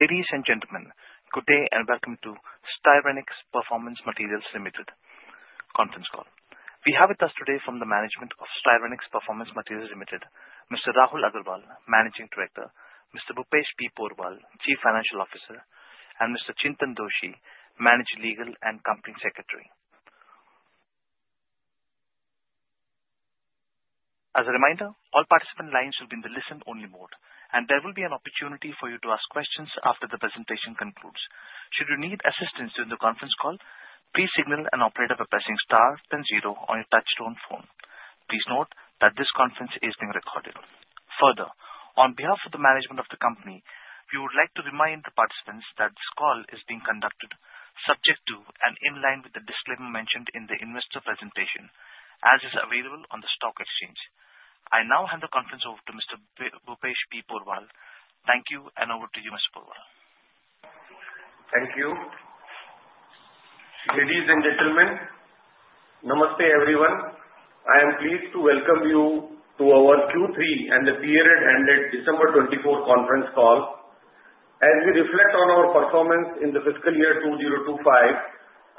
Ladies and gentlemen, good day and welcome to Styrenix Performance Materials Limited conference call. We have with us today from the management of Styrenix Performance Materials Limited, Mr. Rahul Agrawal, Managing Director, Mr. Bhupesh P. Porwal, Chief Financial Officer, and Mr. Chintan Doshi, Manager Legal and Company Secretary. As a reminder, all participant lines will be in the listen-only mode, and there will be an opportunity for you to ask questions after the presentation concludes. Should you need assistance during the conference call, please signal an operator by pressing star then zero on your touch-tone phone. Please note that this conference is being recorded. Further, on behalf of the management of the company, we would like to remind the participants that this call is being conducted subject to and in line with the disclaimer mentioned in the investor presentation, as is available on the stock exchange. I now hand the conference over to Mr. Bhupesh P. Porwal. Thank you, and over to you, Mr. Porwal. Thank you. Ladies and gentlemen, Namaste everyone. I am pleased to welcome you to our Q3 and the period ended December 24 conference call. As we reflect on our performance in the fiscal year 2025,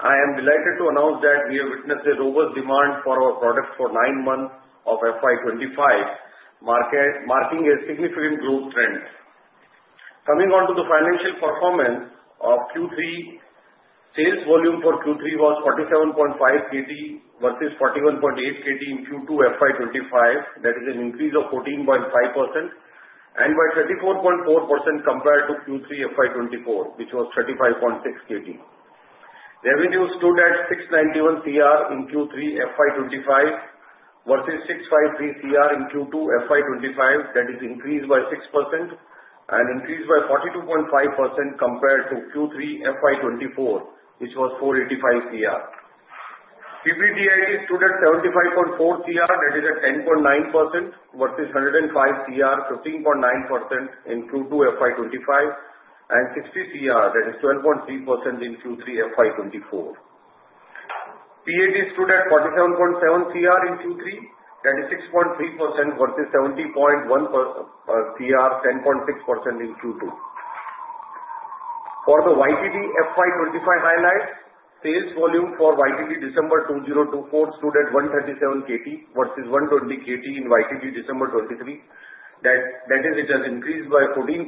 I am delighted to announce that we have witnessed a robust demand for our products for nine months of FY25, marking a significant growth trend. Coming on to the financial performance of Q3, sales volume for Q3 was 47.5 KT versus 41.8 KT in Q2 FY 2025. That is an increase of 14.5% and by 34.4% compared to Q3 FY 2024, which was 35.6 KT. Revenues stood at 691 crore in Q3 FY 2025 versus 653 crore in Q2 FY 2025. That is an increase by 6% and an increase by 42.5% compared to Q3 FY 2024, which was 485 crore. PBDIT stood at 75.4 crore. That is a 10.9% versus 105 crore, 15.9% in Q2 FY 2025, and 60 crore. That is 12.3% in Q3 FY24. PBDIT stood at 47.7 crore in Q3. That is 6.3% versus 70.1 crore, 10.6% in Q2. For the YTD FY 2025 highlights, sales volume for YTD December 2024 stood at 137 KT versus 120 KT in YTD December 2023. That is, it has increased by 14.3%.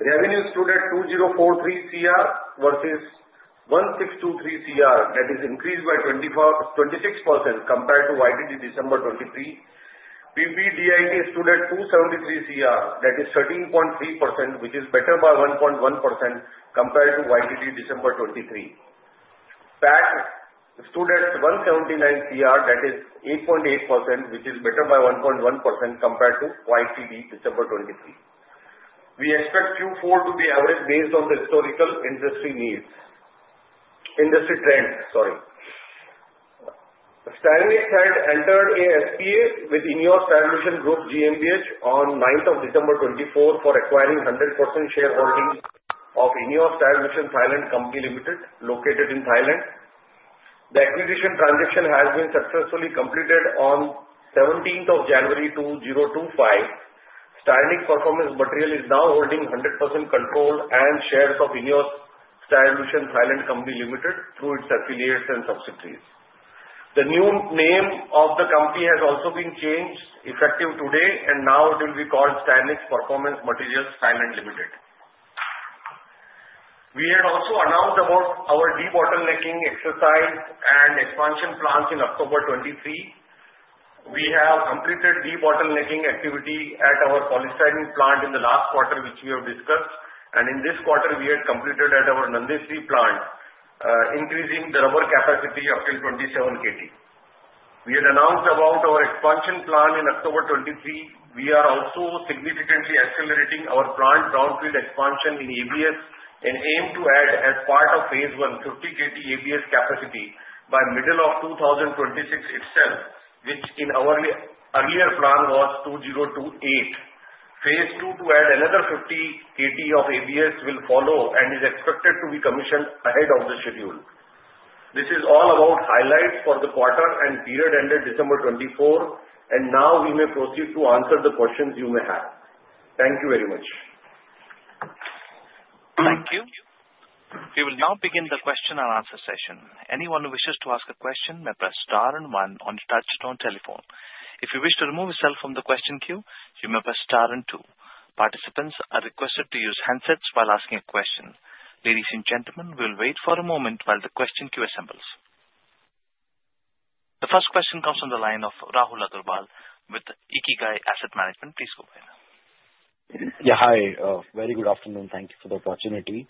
Revenues stood at 2043 crore versus 1623 crore. That is an increase by 26% compared to YTD December 2023. PBDIT stood at 273 crore. That is 13.3%, which is better by 1.1% compared to YTD December 2023. PAT stood at 179 crore. That is 8.8%, which is better by 1.1% compared to YTD December 2023. We expect Q4 to be average based on the historical industry trends. Styrenix had entered a SPA with INEOS Styrolution Group GmbH on 9th of December 2024 for acquiring 100% shareholding of INEOS Styrolution (Thailand) Co Ltd, located in Thailand. The acquisition transaction has been successfully completed on 17th of January 2025. Styrenix Performance Materials is now holding 100% control and shares of INEOS Styrolution (Thailand) Co. Ltd. through its affiliates and subsidiaries. The new name of the company has also been changed, effective today, and now it will be called Styrenix Performance Materials (Thailand) Ltd. We had also announced about our de-bottlenecking exercise and expansion plans in October 2023. We have completed de-bottlenecking activity at our polystyrene plant in the last quarter, which we have discussed, and in this quarter, we had completed at our Nandesari plant, increasing the rubber capacity up to 27 KT. We had announced about our expansion plan in October 2023. We are also significantly accelerating our plant brownfield expansion in ABS and aim to add, as part of phase one, 50 KT ABS capacity by middle of 2026 itself, which in our earlier plan was 2028. Phase two to add another 50 KT of ABS will follow and is expected to be commissioned ahead of the schedule. This is all about highlights for the quarter and period ended December 24, and now we may proceed to answer the questions you may have. Thank you very much. Thank you. We will now begin the question and answer session. Anyone who wishes to ask a question may press star and one on the touch-tone telephone. If you wish to remove yourself from the question queue, you may press star and two. Participants are requested to use handsets while asking a question. Ladies and gentlemen, we will wait for a moment while the question queue assembles. The first question comes from the line of Rahul Agarwal with Ikigai Asset Management. Please go ahead. Yeah, hi. Very good afternoon. Thank you for the opportunity.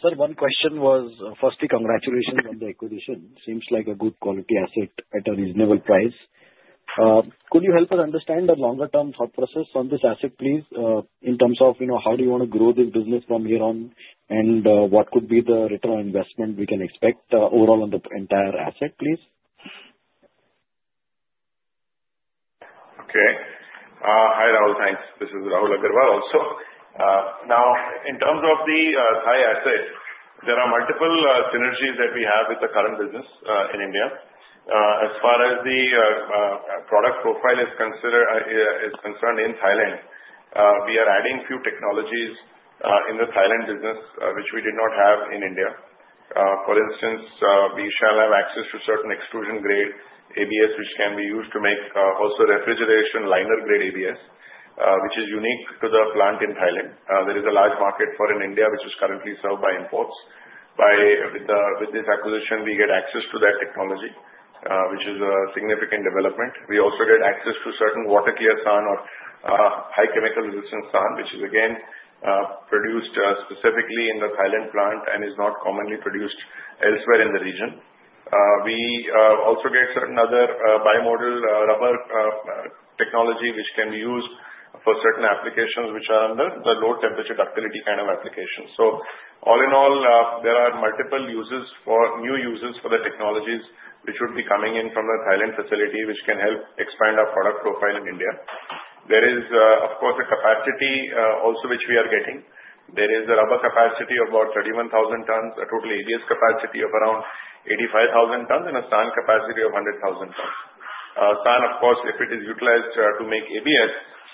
Sir, one question was, firstly, congratulations on the acquisition. Seems like a good quality asset at a reasonable price. Could you help us understand the longer-term thought process on this asset, please, in terms of how do you want to grow this business from here on, and what could be the return on investment we can expect overall on the entire asset, please? Okay. Hi, Rahul. Thanks. This is Rahul Agrawal also. So now, in terms of the Thai asset, there are multiple synergies that we have with the current business in India. As far as the product profile is concerned in Thailand, we are adding few technologies in the Thailand business which we did not have in India. For instance, we shall have access to certain extrusion-grade ABS, which can be used to make also refrigeration liner-grade ABS, which is unique to the plant in Thailand. There is a large market for it in India, which is currently served by imports. With this acquisition, we get access to that technology, which is a significant development. We also get access to certain water clear SAN or high chemical-resistant SAN, which is, again, produced specifically in the Thailand plant and is not commonly produced elsewhere in the region. We also get certain other bi-modal rubber technology, which can be used for certain applications which are under the low-temperature ductility kind of applications. So all in all, there are multiple new uses for the technologies which would be coming in from the Thailand facility, which can help expand our product profile in India. There is, of course, a capacity also which we are getting. There is a rubber capacity of about 31,000 tons a total ABS capacity of around 85,000 tons, and a SAN capacity of 100,000 tons. SAN, of course, if it is utilized to make ABS,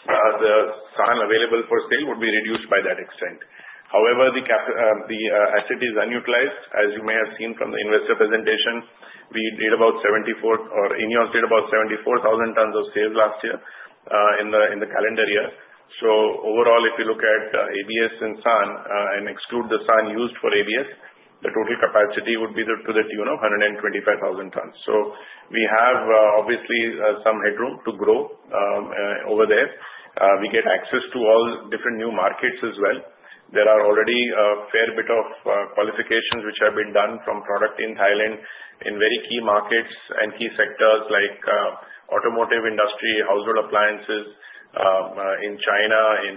the SAN available for sale would be reduced by that extent. However, the asset is unutilized, as you may have seen from the investor presentation. We did about 74,000 tons of sales last year in the calendar year. So overall, if you look at ABS and SAN and exclude the SAN used for ABS, the total capacity would be to the tune of 125,000 tons. So we have, obviously, some headroom to grow over there. We get access to all different new markets as well. There are already a fair bit of qualifications which have been done from product in Thailand in very key markets and key sectors like automotive industry, household appliances in China, in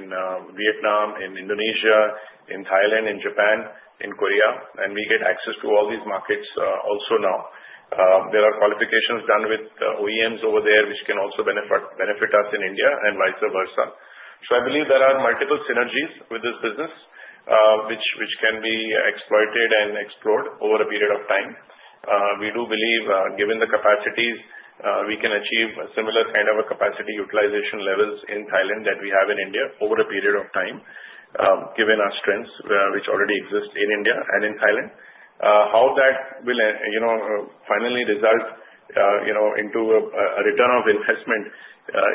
Vietnam, in Indonesia, in Thailand, in Japan, in Korea. And we get access to all these markets also now. There are qualifications done with OEMs over there, which can also benefit us in India and vice versa. So I believe there are multiple synergies with this business, which can be exploited and explored over a period of time. We do believe, given the capacities, we can achieve a similar kind of capacity utilization levels in Thailand that we have in India over a period of time, given our strengths which already exist in India and in Thailand. How that will finally result into a return on investment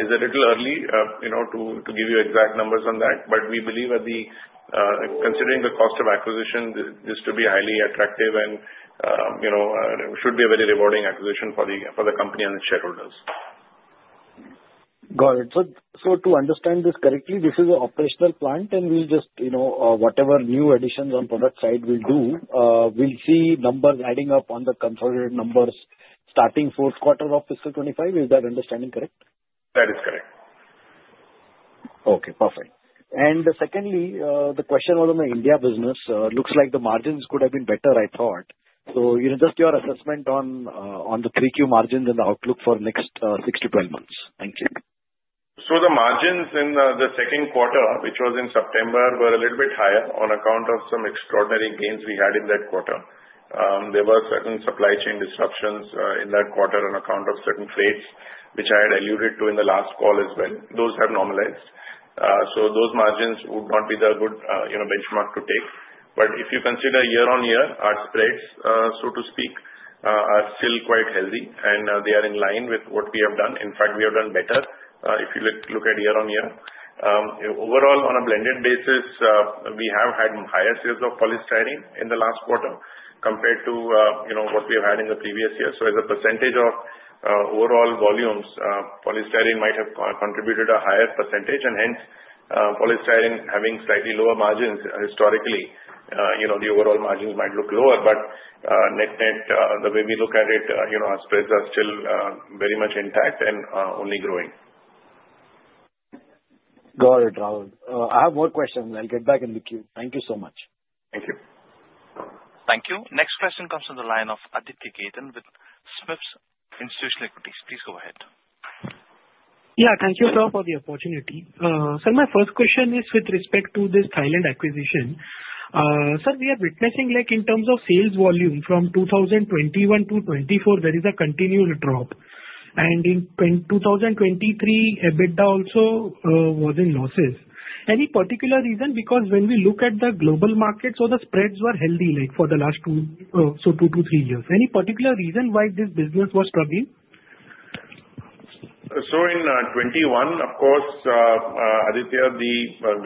is a little early to give you exact numbers on that, but we believe that considering the cost of acquisition, this should be highly attractive and should be a very rewarding acquisition for the company and its shareholders. Got it. So to understand this correctly, this is an operational plant, and we'll just whatever new additions on product side we'll do, we'll see numbers adding up on the consolidated numbers starting fourth quarter of fiscal 2025. Is that understanding correct? That is correct. Okay. Perfect. And secondly, the question was on the India business. Looks like the margins could have been better, I thought. So just your assessment on the 3Q margins and the outlook for next 6 months-12 months. Thank you. So the margins in the second quarter, which was in September, were a little bit higher on account of some extraordinary gains we had in that quarter. There were certain supply chain disruptions in that quarter on account of certain trades, which I had alluded to in the last call as well. Those have normalized. So those margins would not be the good benchmark to take. But if you consider year-on-year spreads, so to speak, are still quite healthy, and they are in line with what we have done. In fact, we have done better if you look at year-on-year. Overall, on a blended basis, we have had higher sales of polystyrene in the last quarter compared to what we have had in the previous year. So as a percentage of overall volumes, polystyrene might have contributed a higher percentage, and hence, polystyrene having slightly lower margins historically, the overall margins might look lower. But the way we look at it, our spreads are still very much intact and only growing. Got it, Rahul. I have more questions. I'll get back in the queue. Thank you so much.. Thank you. Next question comes from the line of Aditya Khetan with SMIFS Limited. Please go ahead. Yeah. Thank you, sir, for the opportunity. Sir, my first question is with respect to this Thailand acquisition. Sir, we are witnessing in terms of sales volume from 2021 to 2024, there is a continual drop. And in 2023, EBITDA also was in losses. Any particular reason? Because when we look at the global markets, so the spreads were healthy for the last two to three years. Any particular reason why this business was struggling? So in 2021, of course, Aditya,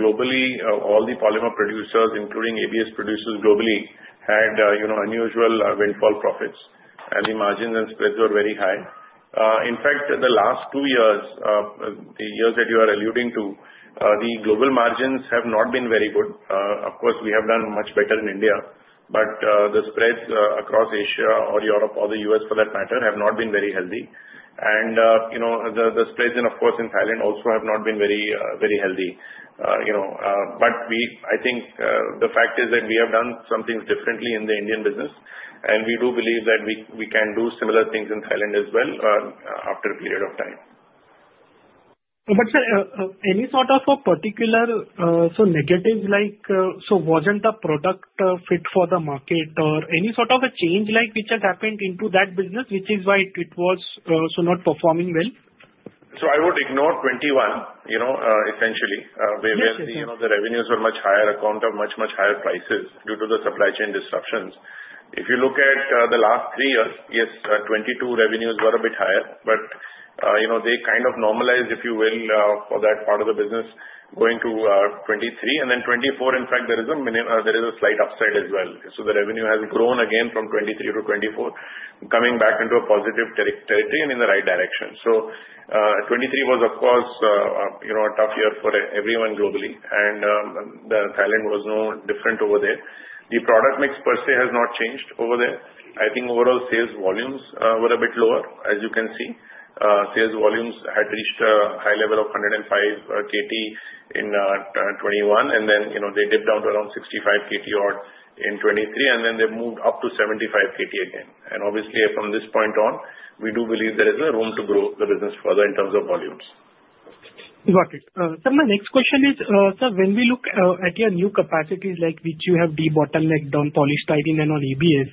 globally, all the polymer producers, including ABS producers globally, had unusual windfall profits, and the margins and spreads were very high. In fact, the last two years, the years that you are alluding to, the global margins have not been very good. Of course, we have done much better in India, but the spreads across Asia or Europe or the U.S., for that matter, have not been very healthy. And the spreads in, of course, in Thailand also have not been very healthy. But I think the fact is that we have done some things differently in the Indian business, and we do believe that we can do similar things in Thailand as well after a period of time. But sir, any sort of a particular negative? So wasn't a product fit for the market or any sort of a change which had happened into that business, which is why it was not performing well? So I would ignore 2021, essentially, where the revenues were much higher account of much, much higher prices due to the supply chain disruptions. If you look at the last three years, yes, 2022 revenues were a bit higher, but they kind of normalized, if you will, for that part of the business, going to 2023. And then 2024, in fact, there is a slight upside as well. So the revenue has grown again from 2023 to 2024, coming back into a positive territory and in the right direction. So 2023 was, of course, a tough year for everyone globally, and Thailand was no different over there. The product mix per se has not changed over there. I think overall sales volumes were a bit lower, as you can see. Sales volumes had reached a high level of 105 KT in 2021, and then they dipped down to around 65 KT in 2023, and then they moved up to 75 KT again, and obviously, from this point on, we do believe there is room to grow the business further in terms of volumes. Got it. Sir, my next question is, sir, when we look at your new capacities, which you have de-bottlenecked on polystyrene and on ABS,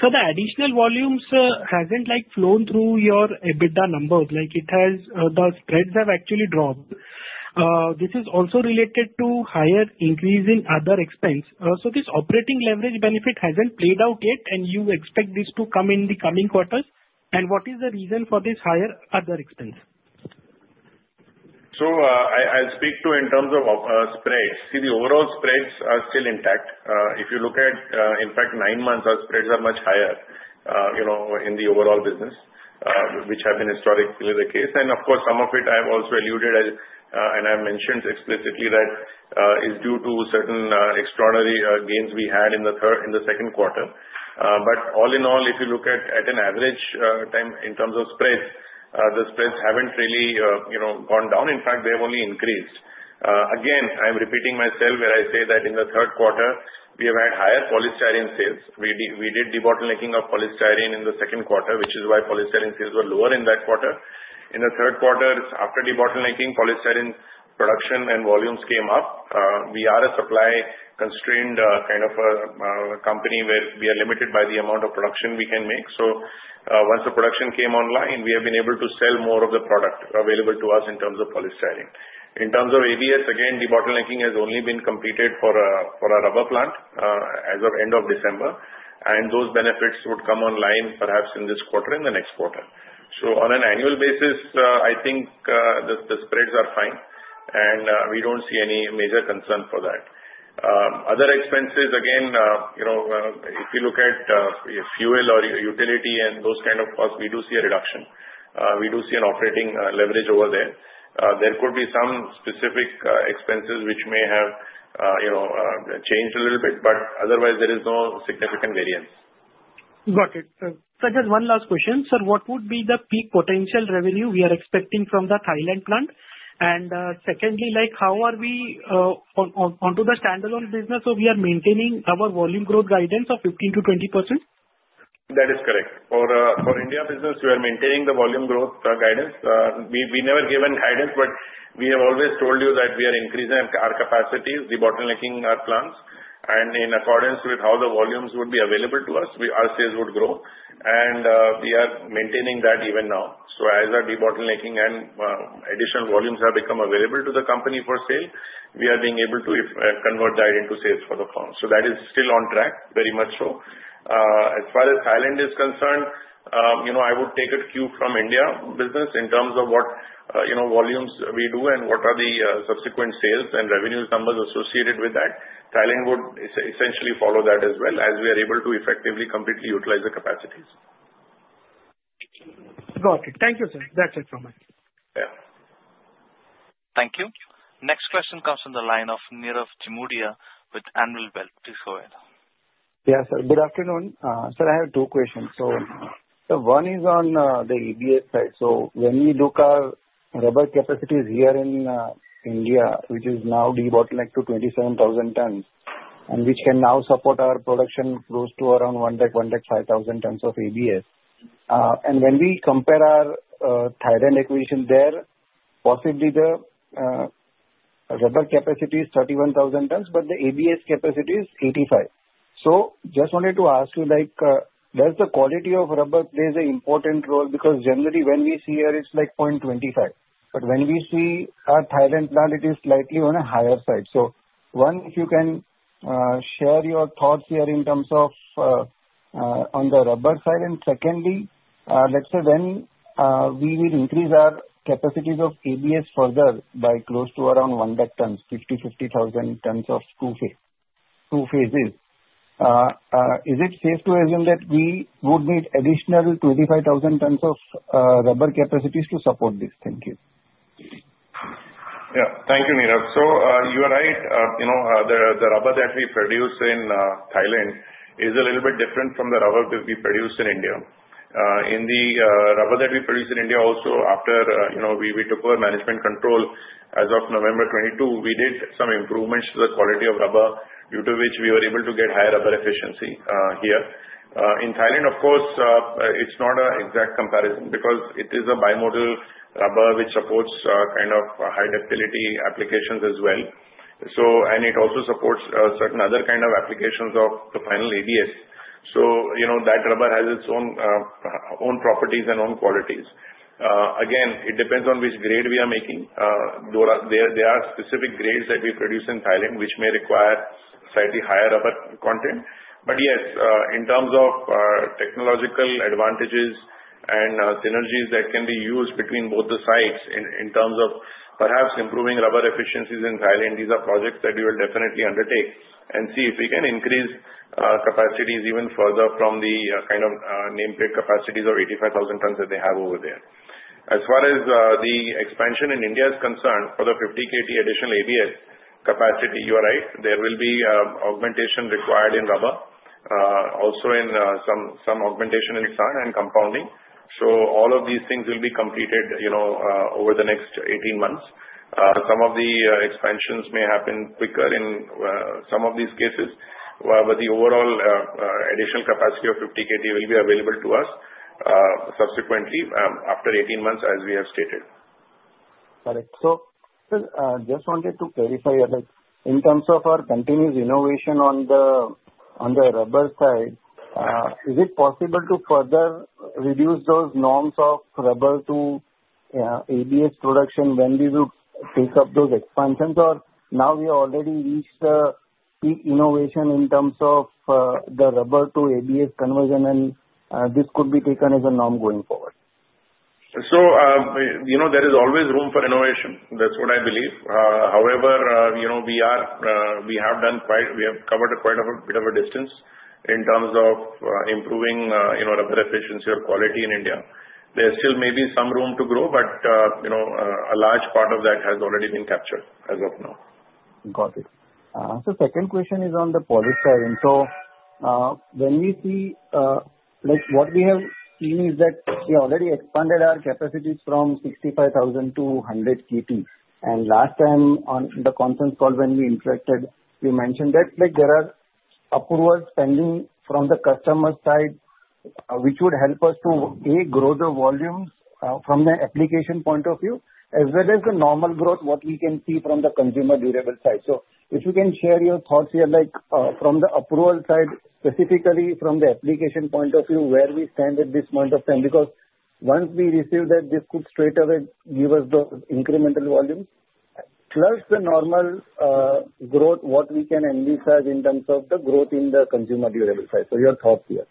sir, the additional volumes haven't flown through your EBITDA numbers. The spreads have actually dropped. This is also related to higher increase in other expense. So this operating leverage benefit hasn't played out yet, and you expect this to come in the coming quarters? And what is the reason for this higher other expense? So I'll speak to in terms of spreads. See, the overall spreads are still intact. If you look at, in fact, nine months, our spreads are much higher in the overall business, which have been historically the case. And of course, some of it I have also alluded and I have mentioned explicitly that is due to certain extraordinary gains we had in the second quarter. But all in all, if you look at an average time in terms of spreads, the spreads haven't really gone down. In fact, they have only increased. Again, I'm repeating myself where I say that in the third quarter, we have had higher polystyrene sales. We did de-bottlenecking of polystyrene in the second quarter, which is why polystyrene sales were lower in that quarter. In the third quarter, after de-bottlenecking, polystyrene production and volumes came up. We are a supply-constrained kind of company where we are limited by the amount of production we can make. So once the production came online, we have been able to sell more of the product available to us in terms of polystyrene. In terms of ABS, again, de-bottlenecking has only been completed for our rubber plant as of end of December, and those benefits would come online perhaps in this quarter and the next quarter. So on an annual basis, I think the spreads are fine, and we don't see any major concern for that. Other expenses, again, if you look at fuel or utility and those kind of costs, we do see a reduction. We do see an operating leverage over there. There could be some specific expenses which may have changed a little bit, but otherwise, there is no significant variance. Got it. Sir, just one last question. Sir, what would be the peak potential revenue we are expecting from the Thailand plant? And secondly, how are we onto the standalone business? So we are maintaining our volume growth guidance of 15%-20%? That is correct. For India business, we are maintaining the volume growth guidance. We never given guidance, but we have always told you that we are increasing our capacities, de-bottlenecking our plants, and in accordance with how the volumes would be available to us, our sales would grow, and we are maintaining that even now, so as our de-bottlenecking and additional volumes have become available to the company for sale, we are being able to convert that into sales for the plant, so that is still on track, very much so. As far as Thailand is concerned, I would take a cue from India business in terms of what volumes we do and what are the subsequent sales and revenue numbers associated with that. Thailand would essentially follow that as well as we are able to effectively completely utilize the capacities. Got it. Thank you, sir. That's it from me. Yeah. Thank you. Next question comes from the line of Nirav Jimudia with Anvil Wealth. Please go ahead. Yeah, sir. Good afternoon. Sir, I have two questions. So one is on the ABS side. So when we look at rubber capacities here in India, which is now de-bottlenecked to 27,000 tons, and which can now support our production close to around 1,000 tons-1,500 tons of ABS. And when we compare our Thailand acquisition there, possibly the rubber capacity is 31,000 tons, but the ABS capacity is 85. So just wanted to ask you, does the quality of rubber play an important role? Because generally, when we see here, it's like 0.25. But when we see our Thailand plant, it is slightly on a higher side. So one, if you can share your thoughts here in terms of on the rubber side. Secondly, let's say when we will increase our capacities of ABS further by close to around 1,000 tons, 50,000 tons of two phases, is it safe to assume that we would need additional 25,000 tons of rubber capacities to support this? Thank you. Yeah. Thank you, Nirav, so you are right. The rubber that we produce in Thailand is a little bit different from the rubber we produce in India. In the rubber that we produce in India, also after we took over management control as of November 22, we did some improvements to the quality of rubber, due to which we were able to get higher rubber efficiency here. In Thailand, of course, it's not an exact comparison because it is a bi-modal rubber which supports kind of high ductility applications as well, and it also supports certain other kind of applications of the final ABS. So that rubber has its own properties and own qualities. Again, it depends on which grade we are making. There are specific grades that we produce in Thailand which may require slightly higher rubber content. But yes, in terms of technological advantages and synergies that can be used between both the sides in terms of perhaps improving rubber efficiencies in Thailand, these are projects that we will definitely undertake and see if we can increase capacities even further from the kind of nameplate capacities of 85,000 tons that they have over there. As far as the expansion in India is concerned, for the 50 KT additional ABS capacity, you are right. There will be augmentation required in rubber, also some augmentation in SAN and compounding. So all of these things will be completed over the next 18 months. Some of the expansions may happen quicker in some of these cases, but the overall additional capacity of 50 KT will be available to us subsequently after 18 months, as we have stated. Got it. So sir, just wanted to clarify in terms of our continuous innovation on the rubber side, is it possible to further reduce those norms of rubber to ABS production when we would pick up those expansions? Or now we already reached the peak innovation in terms of the rubber to ABS conversion, and this could be taken as a norm going forward? So there is always room for innovation. That's what I believe. However, we have covered quite a bit of a distance in terms of improving rubber efficiency or quality in India. There still may be some room to grow, but a large part of that has already been captured as of now. Got it. So the second question is on the polystyrene. So when we see what we have seen is that we already expanded our capacities from 65,000 KT-100 KT. And last time on the conference call when we interacted, you mentioned that there are approvals pending from the customer side, which would help us to, A, grow the volumes from the application point of view, as well as the normal growth, what we can see from the consumer durable side. So if you can share your thoughts here from the approval side, specifically from the application point of view, where we stand at this point of time, because once we receive that, this could straightaway give us the incremental volumes, plus the normal growth, what we can envisage in terms of the growth in the consumer durable side. So your thoughts here.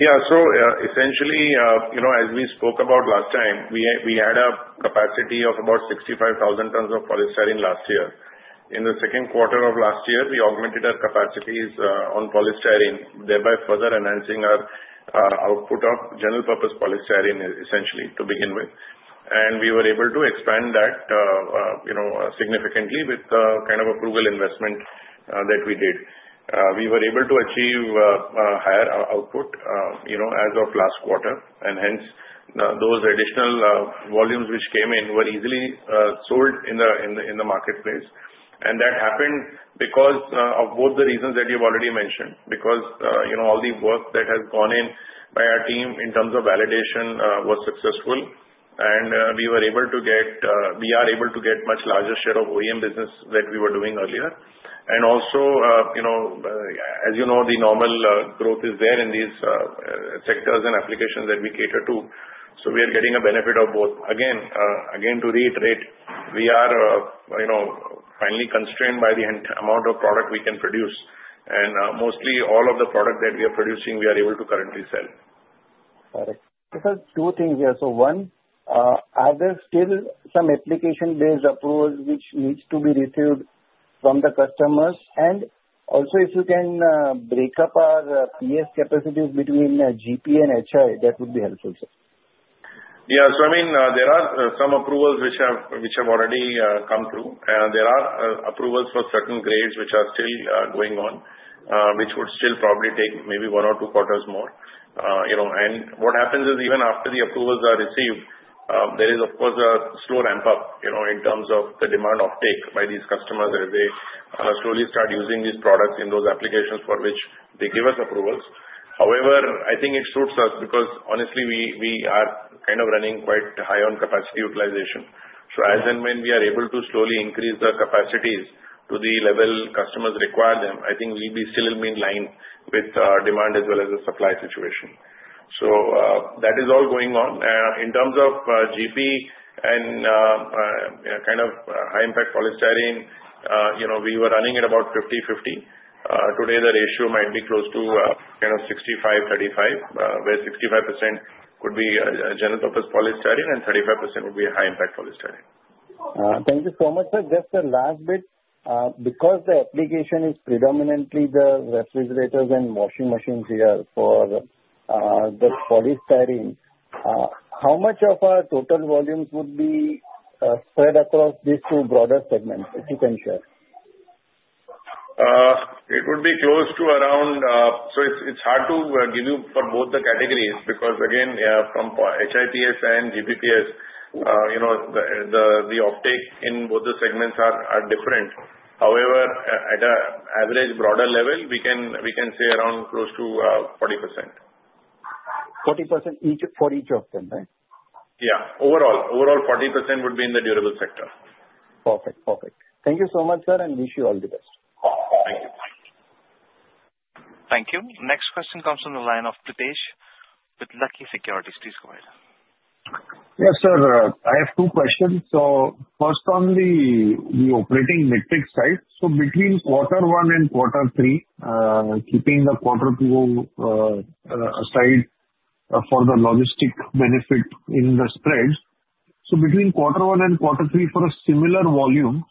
Yeah. So essentially, as we spoke about last time, we had a capacity of about 65,000 tons of polystyrene last year. In the second quarter of last year, we augmented our capacities on polystyrene, thereby further enhancing our output of General Purpose Polystyrene, essentially, to begin with. And we were able to expand that significantly with the kind of approval investment that we did. We were able to achieve higher output as of last quarter, and hence those additional volumes which came in were easily sold in the marketplace. And that happened because of both the reasons that you've already mentioned, because all the work that has gone in by our team in terms of validation was successful, and we were able to get much larger share of OEM business that we were doing earlier. And also, as you know, the normal growth is there in these sectors and applications that we cater to. So we are getting a benefit of both. Again, to reiterate, we are finally constrained by the amount of product we can produce. And mostly all of the product that we are producing, we are able to currently sell. Got it. So sir, two things here. So one, are there still some application-based approvals which need to be received from the customers? And also, if you can break up our PS capacities between GP and HI, that would be helpful, sir. Yeah. So I mean, there are some approvals which have already come through. There are approvals for certain grades which are still going on, which would still probably take maybe one or two quarters more. And what happens is even after the approvals are received, there is, of course, a slow ramp-up in terms of the demand offtake by these customers as they slowly start using these products in those applications for which they give us approvals. However, I think it suits us because, honestly, we are kind of running quite high on capacity utilization. So as and when we are able to slowly increase the capacities to the level customers require them, I think we'll be still in line with demand as well as the supply situation. So that is all going on. In terms of GP and kind of High Impact Polystyrene, we were running at about 50/50. Today, the ratio might be close to kind of 65/35, where 65% could be General Purpose Polystyrene and 35% would be High Impact Polystyrene. Thank you so much, sir. Just a last bit. Because the application is predominantly the refrigerators and washing machines here for the polystyrene, how much of our total volumes would be spread across these two broader segments, if you can share? It would be close to around, so it's hard to give you for both the categories because, again, from HIPS and GPPS, the offtake in both the segments are different. However, at an average broader level, we can say around close to 40%. 40% for each of them, right? Yeah. Overall, overall 40% would be in the durable sector. Perfect. Perfect. Thank you so much, sir, and wish you all the best. Thank you. Thank you. Next question comes from the line of Pritesh with Lucky Securities. Please go ahead. Yes, sir. I have two questions. So first, on the operating metric side, so between quarter one and quarter three, keeping the quarter two aside for the logistic benefit in the spread. So between quarter one and quarter three for similar volumes,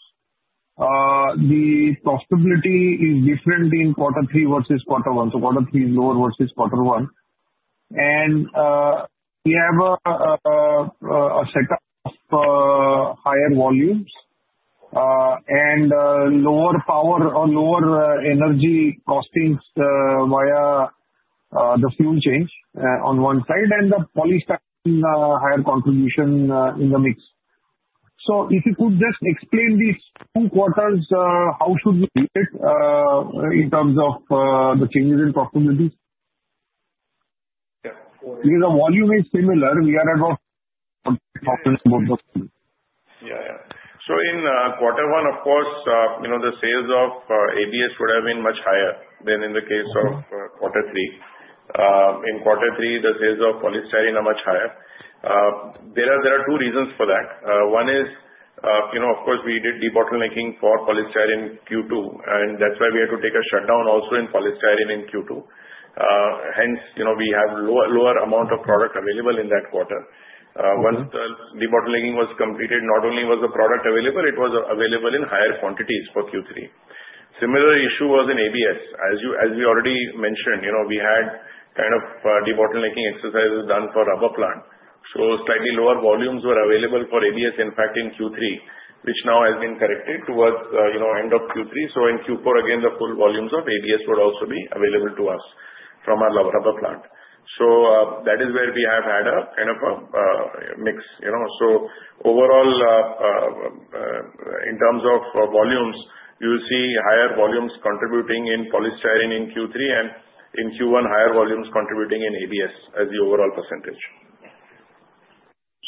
the profitability is different in quarter three versus quarter one. So quarter three is lower versus quarter one. And we have a setup of higher volumes and lower power or lower energy costings via the fuel change on one side and the polystyrene higher contribution in the mix. So if you could just explain these two quarters, how should we do it in terms of the changes in profitability? Because the volume is similar, we are about profitable. Yeah. Yeah. So in quarter one, of course, the sales of ABS would have been much higher than in the case of quarter three. In quarter three, the sales of polystyrene are much higher. There are two reasons for that. One is, of course, we did de-bottlenecking for polystyrene Q2, and that's why we had to take a shutdown also in polystyrene in Q2. Hence, we have a lower amount of product available in that quarter. Once the de-bottlenecking was completed, not only was the product available, it was available in higher quantities for Q3. Similar issue was in ABS. As we already mentioned, we had kind of de-bottlenecking exercises done for rubber plant. So slightly lower volumes were available for ABS, in fact, in Q3, which now has been corrected towards the end of Q3. So in Q4, again, the full volumes of ABS would also be available to us from our rubber plant. So that is where we have had a kind of a mix. So overall, in terms of volumes, you'll see higher volumes contributing in polystyrene in Q3 and in Q1, higher volumes contributing in ABS as the overall percentage.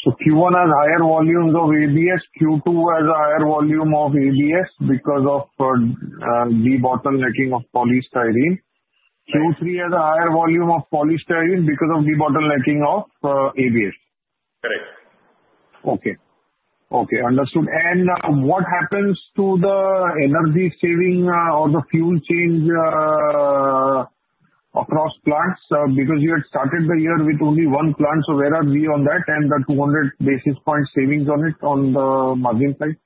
Q1 has higher volumes of ABS. Q2 has a higher volume of ABS because of de-bottlenecking of polystyrene. Q3 has a higher volume of polystyrene because of de-bottlenecking of ABS. Correct. Okay. Okay. Understood. And what happens to the energy saving or the fuel change across plants? Because you had started the year with only one plant, so where are we on that and the 200 basis points savings on it on the margin side?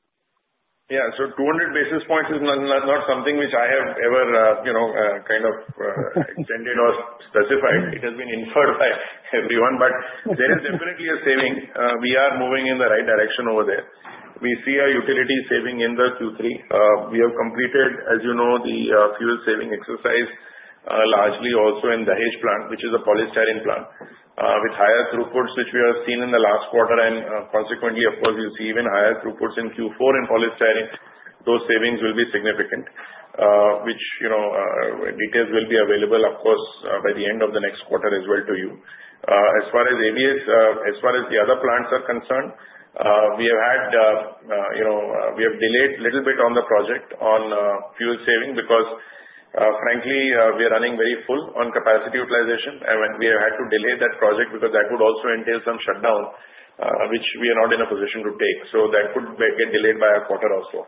Yeah. So 200 basis points is not something which I have ever kind of extended or specified. It has been inferred by everyone. But there is definitely a saving. We are moving in the right direction over there. We see a utility saving in the Q3. We have completed, as you know, the fuel saving exercise largely also in Dahej plants, which is a polystyrene plant, with higher throughputs, which we have seen in the last quarter. And consequently, of course, you'll see even higher throughputs in Q4 in polystyrene. Those savings will be significant, which details will be available, of course, by the end of the next quarter as well to you. As far as ABS, as far as the other plants are concerned, we have delayed a little bit on the project on fuel saving because, frankly, we are running very full on capacity utilization. We have had to delay that project because that would also entail some shutdown, which we are not in a position to take. So that could get delayed by a quarter or so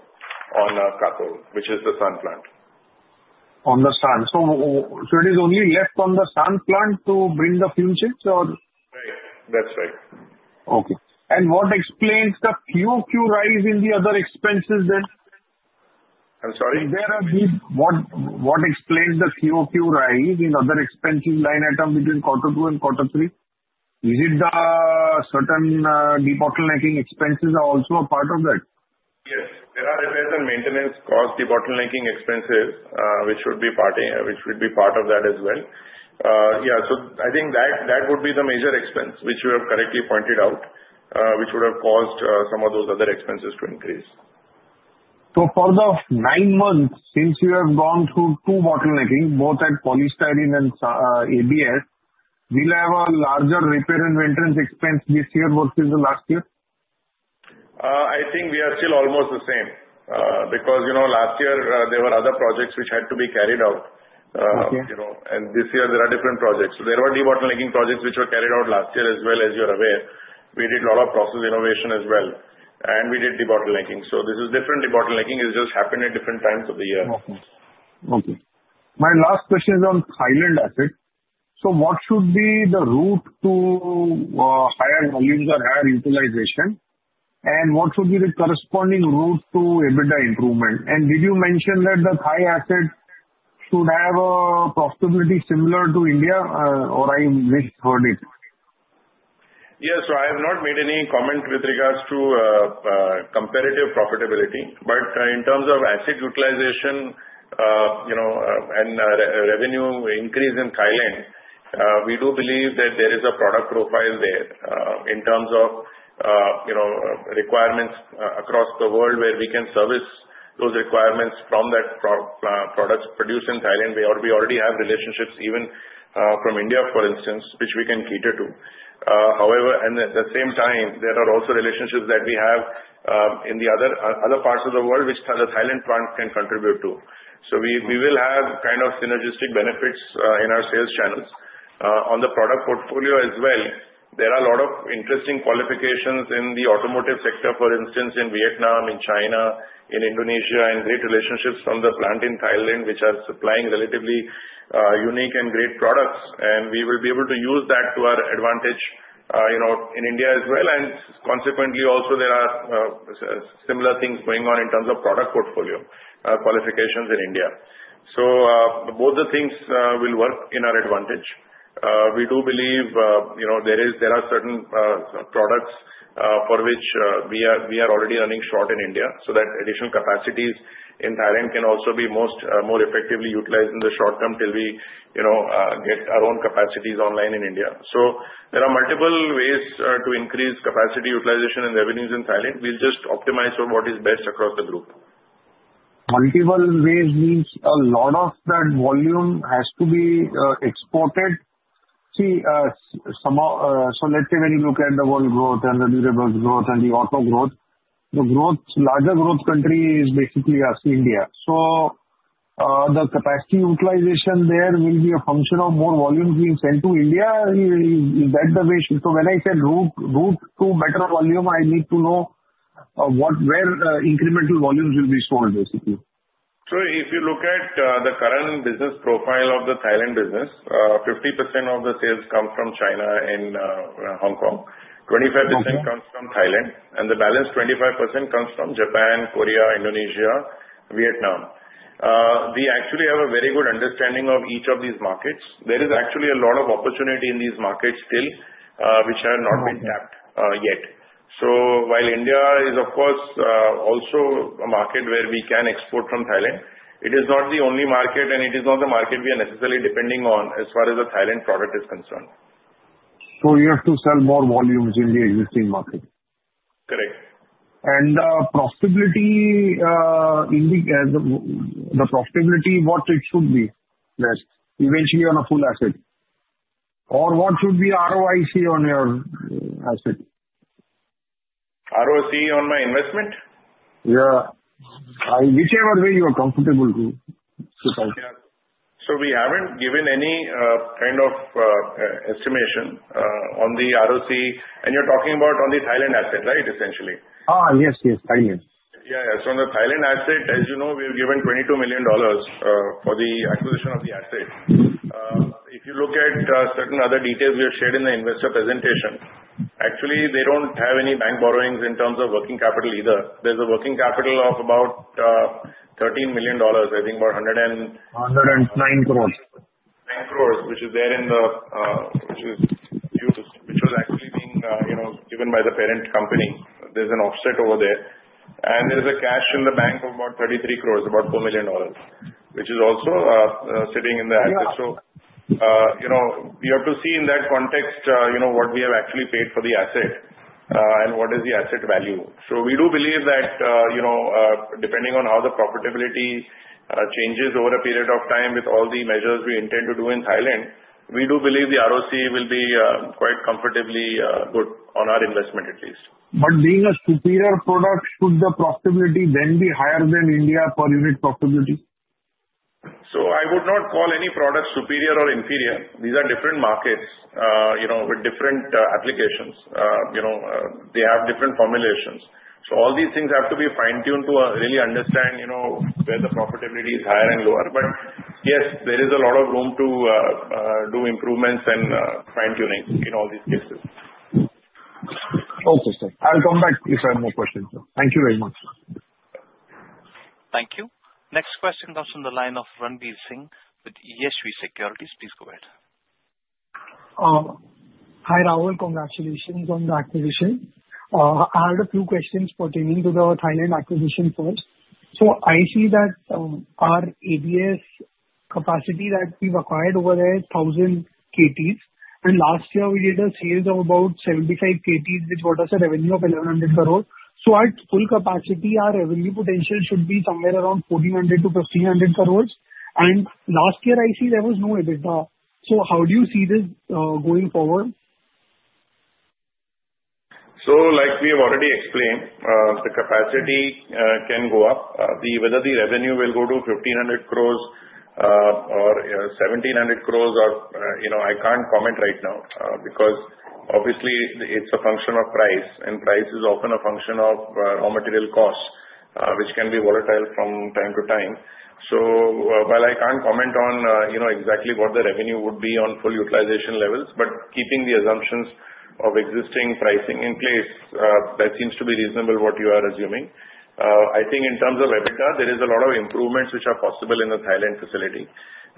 on Katol, which is the SAN plant. On the SAN. So it is only left on the SAN plant to bring the full change, or? Right. That's right. Okay, and what explains the Q2 rise in the other expenses then? I'm sorry? What explains the Q2 rise in other expenses line item between quarter two and quarter three? Is it the certain de-bottlenecking expenses are also a part of that? Yes. There are repairs and maintenance costs, de-bottlenecking expenses, which would be part of that as well. Yeah. So I think that would be the major expense, which you have correctly pointed out, which would have caused some of those other expenses to increase. So for the nine months since you have gone through two de-bottlenecking, both at polystyrene and ABS, will I have a larger repair and maintenance expense this year versus the last year? I think we are still almost the same because last year, there were other projects which had to be carried out. And this year, there are different projects. There were de-bottlenecking projects which were carried out last year as well, as you're aware. We did a lot of process innovation as well, and we did de-bottlenecking. So this is different de-bottlenecking. It just happened at different times of the year. Okay. My last question is on Thailand asset. So what should be the route to higher volumes or higher utilization, and what should be the corresponding route to EBITDA improvement? And did you mention that the Thai asset should have a profitability similar to India, or I misheard it? Yes, sir. I have not made any comment with regards to comparative profitability. But in terms of asset utilization and revenue increase in Thailand, we do believe that there is a product profile there in terms of requirements across the world where we can service those requirements from that products produced in Thailand. We already have relationships, even from India, for instance, which we can cater to. However, at the same time, there are also relationships that we have in the other parts of the world which the Thailand plant can contribute to. So we will have kind of synergistic benefits in our sales channels. On the product portfolio as well, there are a lot of interesting qualifications in the automotive sector, for instance, in Vietnam, in China, in Indonesia, and great relationships from the plant in Thailand, which are supplying relatively unique and great products. And we will be able to use that to our advantage in India as well. And consequently, also, there are similar things going on in terms of product portfolio qualifications in India. So both the things will work in our advantage. We do believe there are certain products for which we are already running short in India so that additional capacities in Thailand can also be more effectively utilized in the short term till we get our own capacities online in India. So there are multiple ways to increase capacity utilization and revenues in Thailand. We'll just optimize for what is best across the group. Multiple ways means a lot of that volume has to be exported. See, so let's say when you look at the world growth and the durable growth and the auto growth, the larger growth country is basically U.S., India. So the capacity utilization there will be a function of more volumes being sent to India. Is that the way? So when I said route to better volume, I need to know where incremental volumes will be sold, basically. So if you look at the current business profile of the Thailand business, 50% of the sales come from China and Hong Kong, 25% comes from Thailand, and the balance 25% comes from Japan, Korea, Indonesia, Vietnam. We actually have a very good understanding of each of these markets. There is actually a lot of opportunity in these markets still which have not been tapped yet. So while India is, of course, also a market where we can export from Thailand, it is not the only market, and it is not the market we are necessarily depending on as far as the Thailand product is concerned. So you have to sell more volumes in the existing market. Correct. The profitability, what it should be eventually on a full asset? Or what should be ROIC on your asset? ROC on my investment? Yeah. Whichever way you are comfortable to. So we haven't given any kind of estimation on the ROC. And you're talking about on the Thailand asset, right, essentially? Yes, yes. Thailand. Yeah, so on the Thailand asset, as you know, we have given $22 million for the acquisition of the asset. If you look at certain other details we have shared in the investor presentation, actually, they don't have any bank borrowings in terms of working capital either. There's a working capital of about $13 million, I think about 100 and. 109 crores. 109 crores, which was actually being given by the parent company. There is an offset over there. And there is cash in the bank of about 33 crores, about $4 million, which is also sitting in the asset. So we have to see in that context what we have actually paid for the asset and what is the asset value. So we do believe that depending on how the profitability changes over a period of time with all the measures we intend to do in Thailand, we do believe the ROC will be quite comfortably good on our investment, at least. But being a superior product, should the profitability then be higher than India per unit profitability? So I would not call any product superior or inferior. These are different markets with different applications. They have different formulations. So all these things have to be fine-tuned to really understand where the profitability is higher and lower. But yes, there is a lot of room to do improvements and fine-tuning in all these cases. Okay, sir. I'll come back if I have more questions. Thank you very much. Thank you. Next question comes from the line of Ranvir Singh with Yashwi Securities. Please go ahead. Hi, Rahul. Congratulations on the acquisition. I had a few questions pertaining to the Thailand acquisition first, so I see that our ABS capacity that we've acquired over there is 1,000 KTs. And last year, we did a sale of about 75 KTs, which brought us a revenue of INR 1,100 crores. So at full capacity, our revenue potential should be somewhere around INR 1,400-INR 1,500 crores. And last year, I see there was no EBITDA, so how do you see this going forward? Like we have already explained, the capacity can go up. Whether the revenue will go to 1,500 crores or 1,700 crores, I can't comment right now because, obviously, it's a function of price. Price is often a function of raw material costs, which can be volatile from time to time. While I can't comment on exactly what the revenue would be on full utilization levels, but keeping the assumptions of existing pricing in place, that seems to be reasonable what you are assuming. I think in terms of EBITDA, there is a lot of improvements which are possible in the Thailand facility.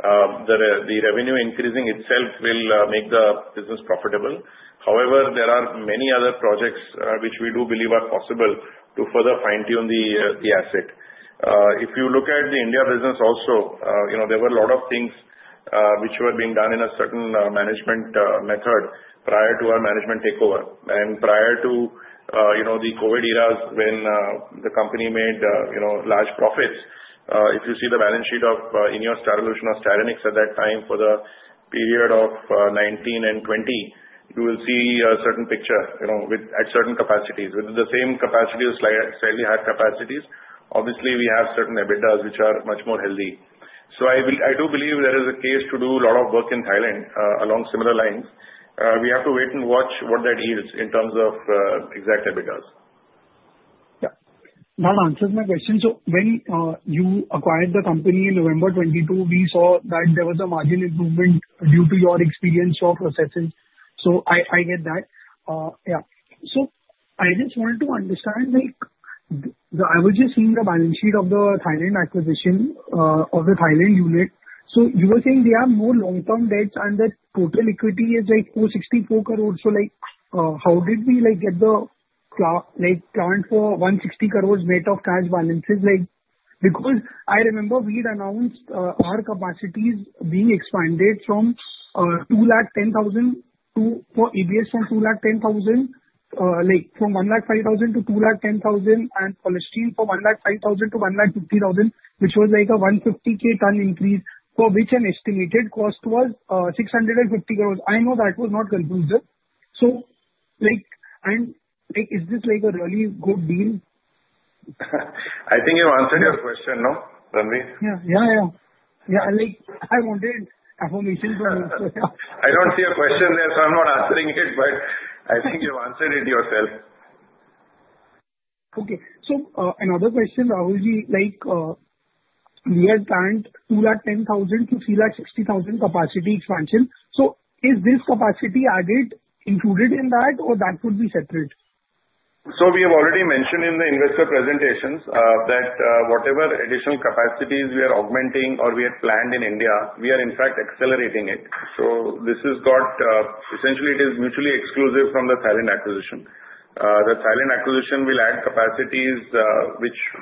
The revenue increasing itself will make the business profitable. However, there are many other projects which we do believe are possible to further fine-tune the asset. If you look at the India business also, there were a lot of things which were being done in a certain management method prior to our management takeover. Prior to the COVID eras when the company made large profits, if you see the balance sheet of INEOS Styrolution or Styrenix at that time for the period of 2019 and 2020, you will see a certain picture at certain capacities. With the same capacity of slightly higher capacities, obviously, we have certain EBITDAs which are much more healthy. So I do believe there is a case to do a lot of work in Thailand along similar lines. We have to wait and watch what that yields in terms of exact EBITDAs. Yeah. I'll answer my question. So when you acquired the company in November 2022, we saw that there was a margin improvement due to your experience of assessing. So I get that. Yeah. So I just wanted to understand. I was just seeing the balance sheet of the Thailand acquisition of the Thailand unit. So you were saying they have more long-term debts and that total equity is like 464 crores. So how did we get the cashless for 160 crores net of cash balances? Because I remember we had announced our capacities being expanded from 105,000 to 210,000 for ABS, and polystyrene from 105,000 to 150,000, which was like a 150 KT increase for which an estimated cost was 650 crores. I know that was not conclusive. And is this a really good deal? I think you answered your question, no? Ranbir? Yeah, yeah, yeah. Yeah. I wanted affirmation from you. I don't see a question there, so I'm not answering it, but I think you've answered it yourself. Okay. So another question, Rahulji, we had planned 210,000-360,000 capacity expansion. So is this capacity added included in that, or that would be separate? We have already mentioned in the investor presentations that whatever additional capacities we are augmenting or we had planned in India, we are, in fact, accelerating it. This has got essentially, it is mutually exclusive from the Thailand acquisition. The Thailand acquisition will add capacities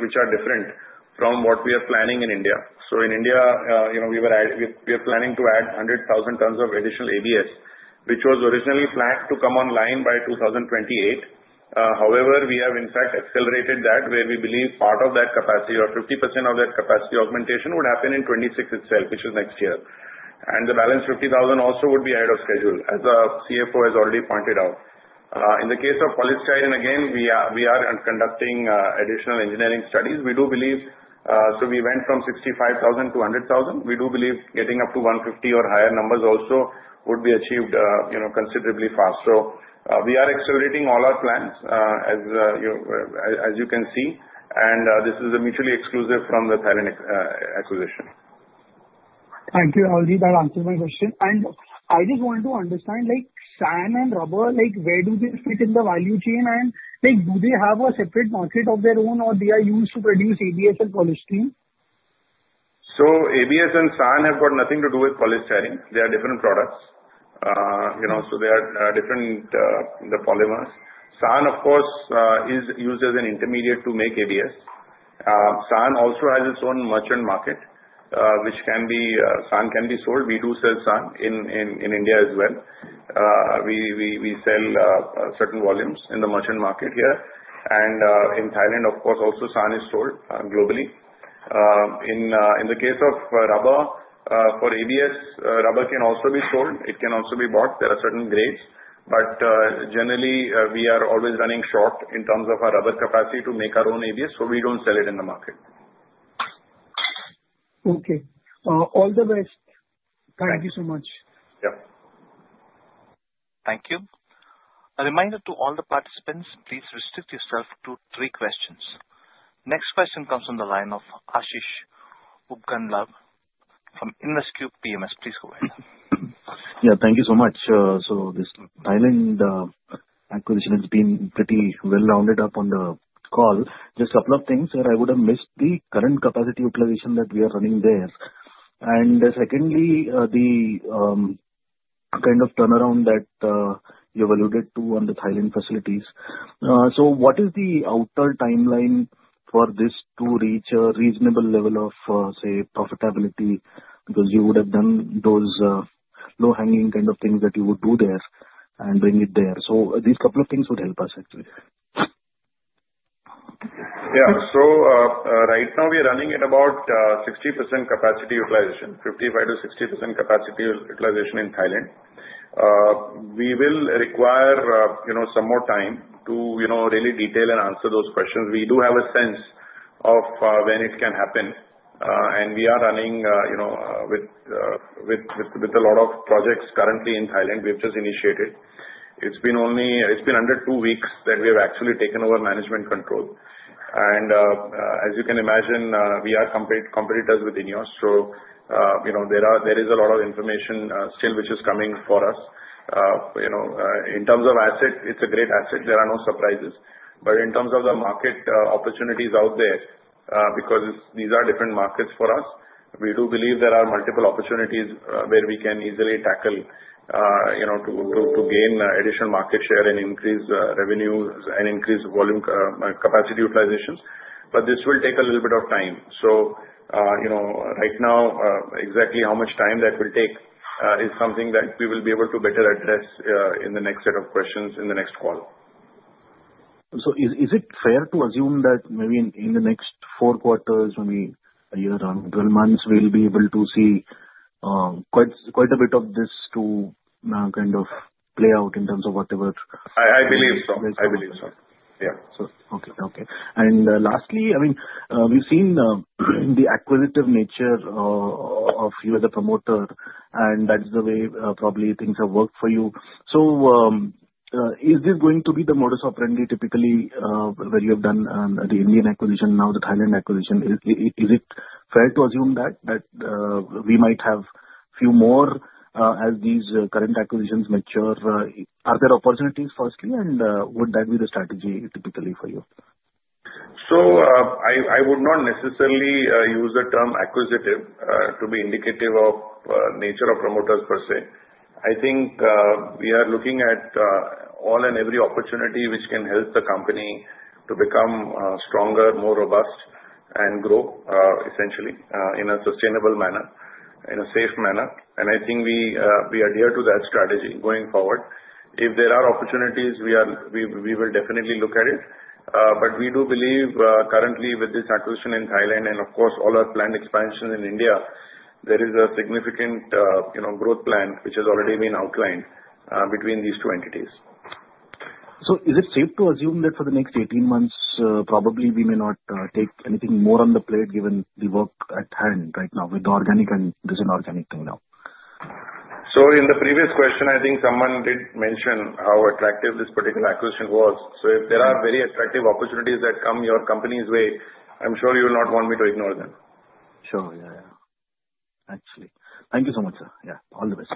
which are different from what we are planning in India. In India, we are planning to add 100,000 tons of additional ABS, which was originally planned to come online by 2028. However, we have, in fact, accelerated that where we believe part of that capacity or 50% of that capacity augmentation would happen in 2026 itself, which is next year. And the balance 50,000 also would be ahead of schedule, as the CFO has already pointed out. In the case of polystyrene and again, we are conducting additional engineering studies. We do believe so we went from 65,000 to 100,000. We do believe getting up to 150 or higher numbers also would be achieved considerably faster, so we are accelerating all our plans, as you can see, and this is mutually exclusive from the Thailand acquisition. Thank you, Rahulji. That answers my question. And I just wanted to understand, SAN and rubber, where do they fit in the value chain? And do they have a separate market of their own, or they are used to produce ABS and polystyrene? ABS and SAN have got nothing to do with polystyrene. They are different products. They are different polymers. SAN, of course, is used as an intermediate to make ABS. SAN also has its own merchant market, which SAN can be sold. We do sell SAN in India as well. We sell certain volumes in the merchant market here. In Thailand, of course, also SAN is sold globally. In the case of rubber, for ABS, rubber can also be sold. It can also be bought. There are certain grades. Generally, we are always running short in terms of our other capacity to make our own ABS, so we don't sell it in the market. Okay. All the best. Thank you so much. Yeah. Thank you. A reminder to all the participants, please restrict yourself to three questions. Next question comes from the line of Ashish Upganlawar from InvesQ PMS. Please go ahead. Yeah. Thank you so much. So this Thailand acquisition has been pretty well rounded up on the call. Just a couple of things that I would have missed: the current capacity utilization that we are running there, and secondly, the kind of turnaround that you alluded to on the Thailand facilities. So what is the outer timeline for this to reach a reasonable level of, say, profitability? Because you would have done those low-hanging kind of things that you would do there and bring it there. So these couple of things would help us, actually. Yeah. So right now, we are running at about 60% capacity utilization, 55%-60% capacity utilization in Thailand. We will require some more time to really detail and answer those questions. We do have a sense of when it can happen. And we are running with a lot of projects currently in Thailand. We have just initiated. It's been under two weeks that we have actually taken over management control. And as you can imagine, we are competitors within yours. So there is a lot of information still which is coming for us. In terms of asset, it's a great asset. There are no surprises. But in terms of the market opportunities out there, because these are different markets for us, we do believe there are multiple opportunities where we can easily tackle to gain additional market share and increase revenues and increase volume capacity utilizations. But this will take a little bit of time. So right now, exactly how much time that will take is something that we will be able to better address in the next set of questions in the next call. So is it fair to assume that maybe in the next four quarters, maybe around 12 months, we'll be able to see quite a bit of this to kind of play out in terms of whatever? I believe so. I believe so. Yeah. Okay. And lastly, I mean, we've seen the acquisitive nature of you as a promoter, and that's the way probably things have worked for you. So is this going to be the modus operandi typically where you have done the Indian acquisition, now the Thailand acquisition? Is it fair to assume that we might have a few more as these current acquisitions mature? Are there opportunities firstly, and would that be the strategy typically for you? So I would not necessarily use the term acquisitive to be indicative of nature of promoters per se. I think we are looking at all and every opportunity which can help the company to become stronger, more robust, and grow, essentially, in a sustainable manner, in a safe manner. And I think we adhere to that strategy going forward. If there are opportunities, we will definitely look at it. But we do believe currently with this acquisition in Thailand and, of course, all our planned expansion in India, there is a significant growth plan which has already been outlined between these two entities. So is it safe to assume that for the next 18 months, probably we may not take anything more on the plate given the work at hand right now with the organic and inorganic thing now? So in the previous question, I think someone did mention how attractive this particular acquisition was. So if there are very attractive opportunities that come your company's way, I'm sure you will not want me to ignore them. Sure. Yeah, yeah. Actually, thank you so much, sir. Yeah. All the best.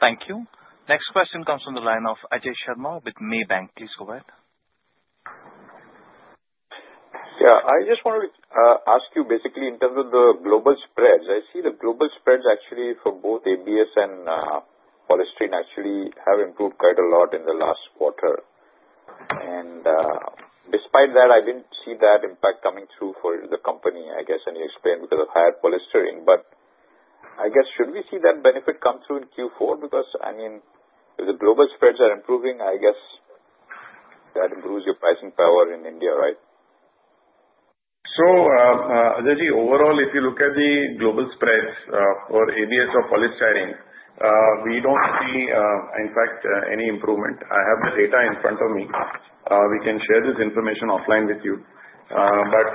Thank you. Next question comes from the line of Ajay Sharma with Maybank. Please go ahead. Yeah. I just want to ask you, basically, in terms of the global spreads, I see the global spreads actually for both ABS and polystyrene actually have improved quite a lot in the last quarter. And despite that, I didn't see that impact coming through for the company, I guess, and you explained because of higher polystyrene. But I guess, should we see that benefit come through in Q4? Because, I mean, if the global spreads are improving, I guess that improves your pricing power in India, right? So Ajay, overall, if you look at the global spreads for ABS or polystyrene, we don't see, in fact, any improvement. I have the data in front of me. We can share this information offline with you. But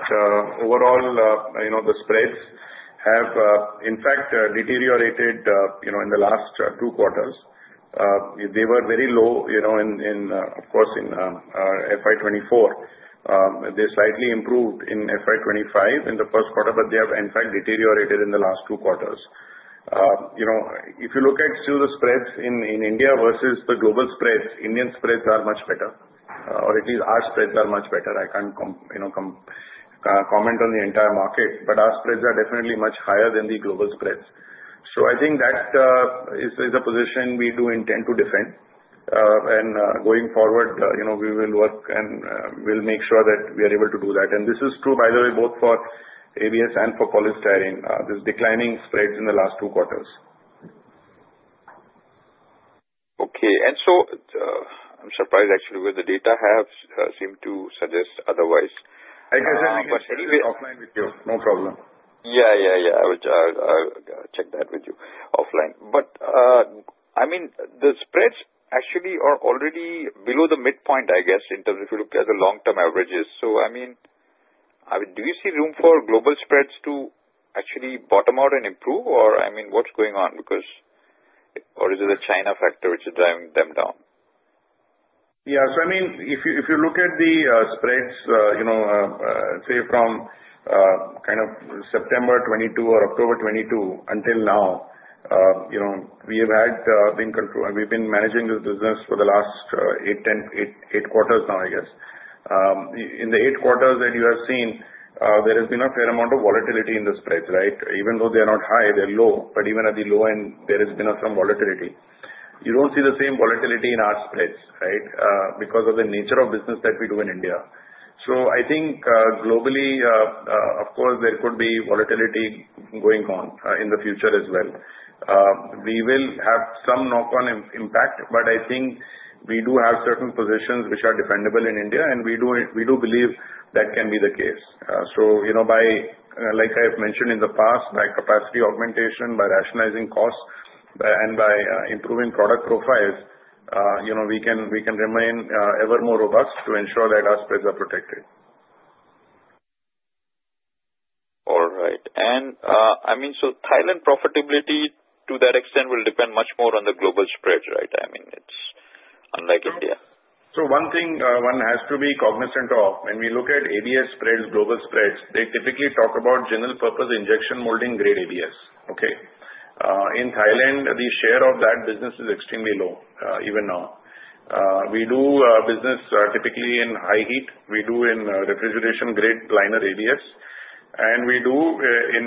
overall, the spreads have, in fact, deteriorated in the last two quarters. They were very low, of course, in FY24. They slightly improved in FY25 in the first quarter, but they have, in fact, deteriorated in the last two quarters. If you look at still the spreads in India versus the global spreads, Indian spreads are much better, or at least our spreads are much better. I can't comment on the entire market, but our spreads are definitely much higher than the global spreads. So I think that is a position we do intend to defend. And going forward, we will work and we'll make sure that we are able to do that. And this is true, by the way, both for ABS and for polystyrene, these declining spreads in the last two quarters. Okay. And so I'm surprised, actually, what the data have seemed to suggest otherwise. I guess I'll check it offline with you. No problem. Yeah, yeah, yeah. I will check that with you offline. I mean, the spreads actually are already below the midpoint, I guess, in terms of if you look at the long-term averages. So I mean, do you see room for global spreads to actually bottom out and improve? Or I mean, what's going on? Or is it a China factor which is driving them down? Yeah. So I mean, if you look at the spreads, say, from kind of September 2022 or October 2022 until now, we have had been controlled. We've been managing this business for the last eight quarters now, I guess. In the eight quarters that you have seen, there has been a fair amount of volatility in the spreads, right? Even though they are not high, they're low. But even at the low end, there has been some volatility. You don't see the same volatility in our spreads, right, because of the nature of business that we do in India. So I think globally, of course, there could be volatility going on in the future as well. We will have some knock-on impact, but I think we do have certain positions which are dependable in India, and we do believe that can be the case. So like I have mentioned in the past, by capacity augmentation, by rationalizing costs, and by improving product profiles, we can remain ever more robust to ensure that our spreads are protected. All right. And I mean, so Thailand profitability to that extent will depend much more on the global spreads, right? I mean, it's unlike India. So one thing one has to be cognizant of. When we look at ABS spreads, global spreads, they typically talk about general-purpose injection molding grade ABS, okay? In Thailand, the share of that business is extremely low even now. We do business typically in high heat. We do in refrigeration-grade liner ABS, and we do in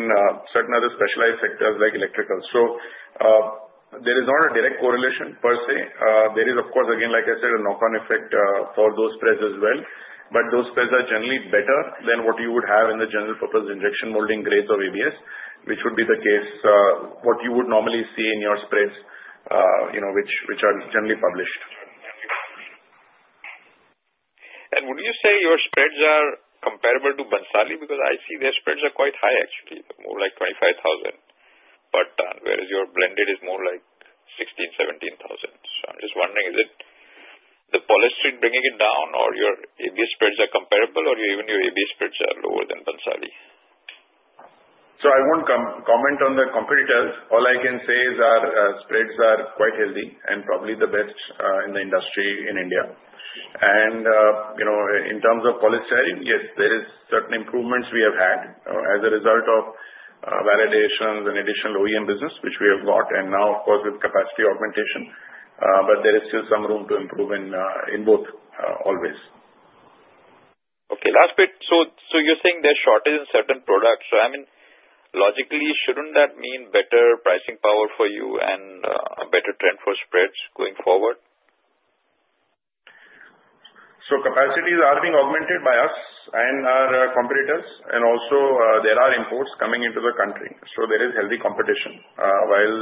certain other specialized sectors like electrical. So there is not a direct correlation per se. There is, of course, again, like I said, a knock-on effect for those spreads as well. But those spreads are generally better than what you would have in the general-purpose injection molding grades of ABS, which would be the case what you would normally see in your spreads, which are generally published. Would you say your spreads are comparable to Bhansali? Because I see their spreads are quite high, actually, more like 25,000. But whereas your blended is more like 16,000, 17,000. So I'm just wondering, is it the polystyrene bringing it down, or your ABS spreads are comparable, or even your ABS spreads are lower than Bhansali? So I won't comment on the competitors. All I can say is our spreads are quite healthy and probably the best in the industry in India. And in terms of polystyrene, yes, there are certain improvements we have had as a result of validations and additional OEM business, which we have got, and now, of course, with capacity augmentation. But there is still some room to improve in both always. Okay. Last bit. So you're saying there's shortage in certain products. So I mean, logically, shouldn't that mean better pricing power for you and a better trend for spreads going forward? So capacities are being augmented by us and our competitors. And also, there are imports coming into the country. So there is healthy competition while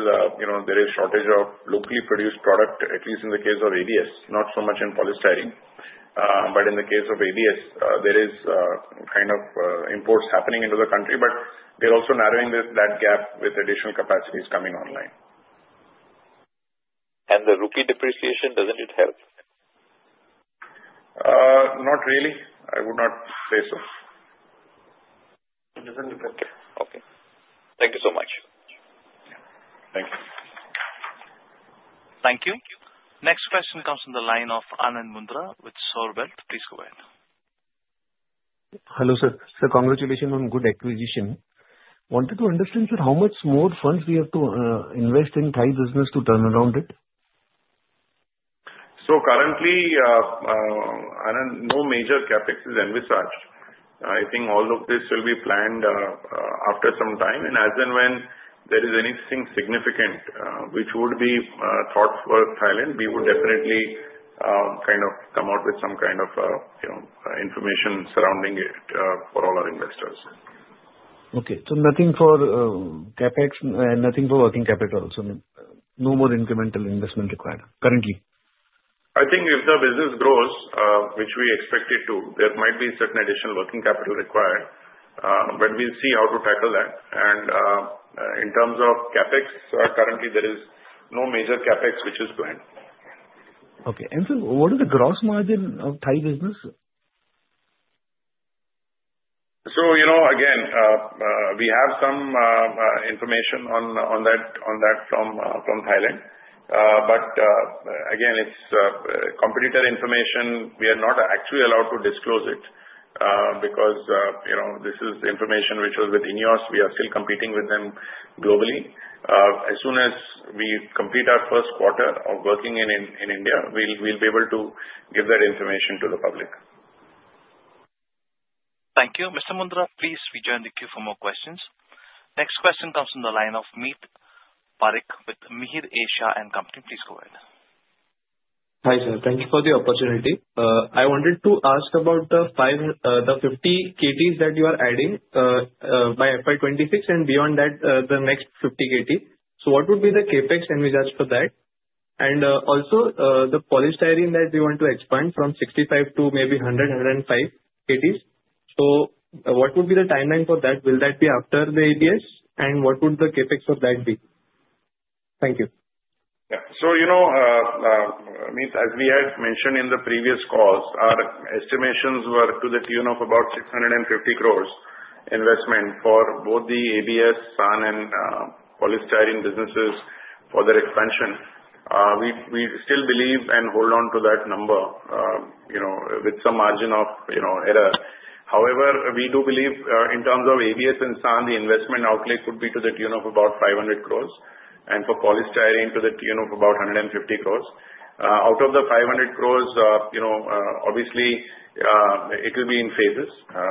there is shortage of locally produced product, at least in the case of ABS, not so much in polystyrene. But in the case of ABS, there is kind of imports happening into the country, but they're also narrowing that gap with additional capacities coming online. And the rupee depreciation, doesn't it help? Not really. I would not say so. It doesn't affect it. Okay. Thank you so much. Thank you. Thank you. Next question comes from the line of Anand Mundra with Soar Wealth. Please go ahead. Hello, sir. Sir, congratulations on good acquisition. Wanted to understand, sir, how much more funds we have to invest in Thai business to turn around it? Currently, Anand, no major CapEx is envisaged. I think all of this will be planned after some time. As and when there is anything significant which would be thought for Thailand, we would definitely kind of come out with some kind of information surrounding it for all our investors. Okay. So nothing for CapEx and nothing for working capital. So no more incremental investment required currently? I think if the business grows, which we expect it to, there might be certain additional working capital required. But we'll see how to tackle that. And in terms of CapEx, currently, there is no major CapEx which is planned. Okay. And sir, what is the gross margin of Thai business? So again, we have some information on that from Thailand. But again, it's competitor information. We are not actually allowed to disclose it because this is information which was within INEOS. We are still competing with them globally. As soon as we complete our first quarter of working in India, we'll be able to give that information to the public. Thank you. Mr. Mundra, please rejoin the queue for more questions. Next question comes from the line of Meet Parikh with Mihir Asia and Company. Please go ahead. Hi, sir. Thank you for the opportunity. I wanted to ask about the 50 KTs that you are adding by FY26 and beyond that, the next 50 KT. So what would be the CapEx envisaged for that? And also, the polystyrene that we want to expand from 65 to maybe 100, 105 KTs. So what would be the timeline for that? Will that be after the ABS? And what would the CapEx for that be? Thank you. Yeah, so Meet, as we had mentioned in the previous calls, our estimations were to the tune of about 650 crore investment for both the ABS, SAN, and polystyrene businesses for their expansion. We still believe and hold on to that number with some margin of error. However, we do believe in terms of ABS and SAN, the investment outlay could be to the tune of about 500 crore, and for polystyrene to the tune of about 150 crore. Out of the 500 crore, obviously, it will be in phases.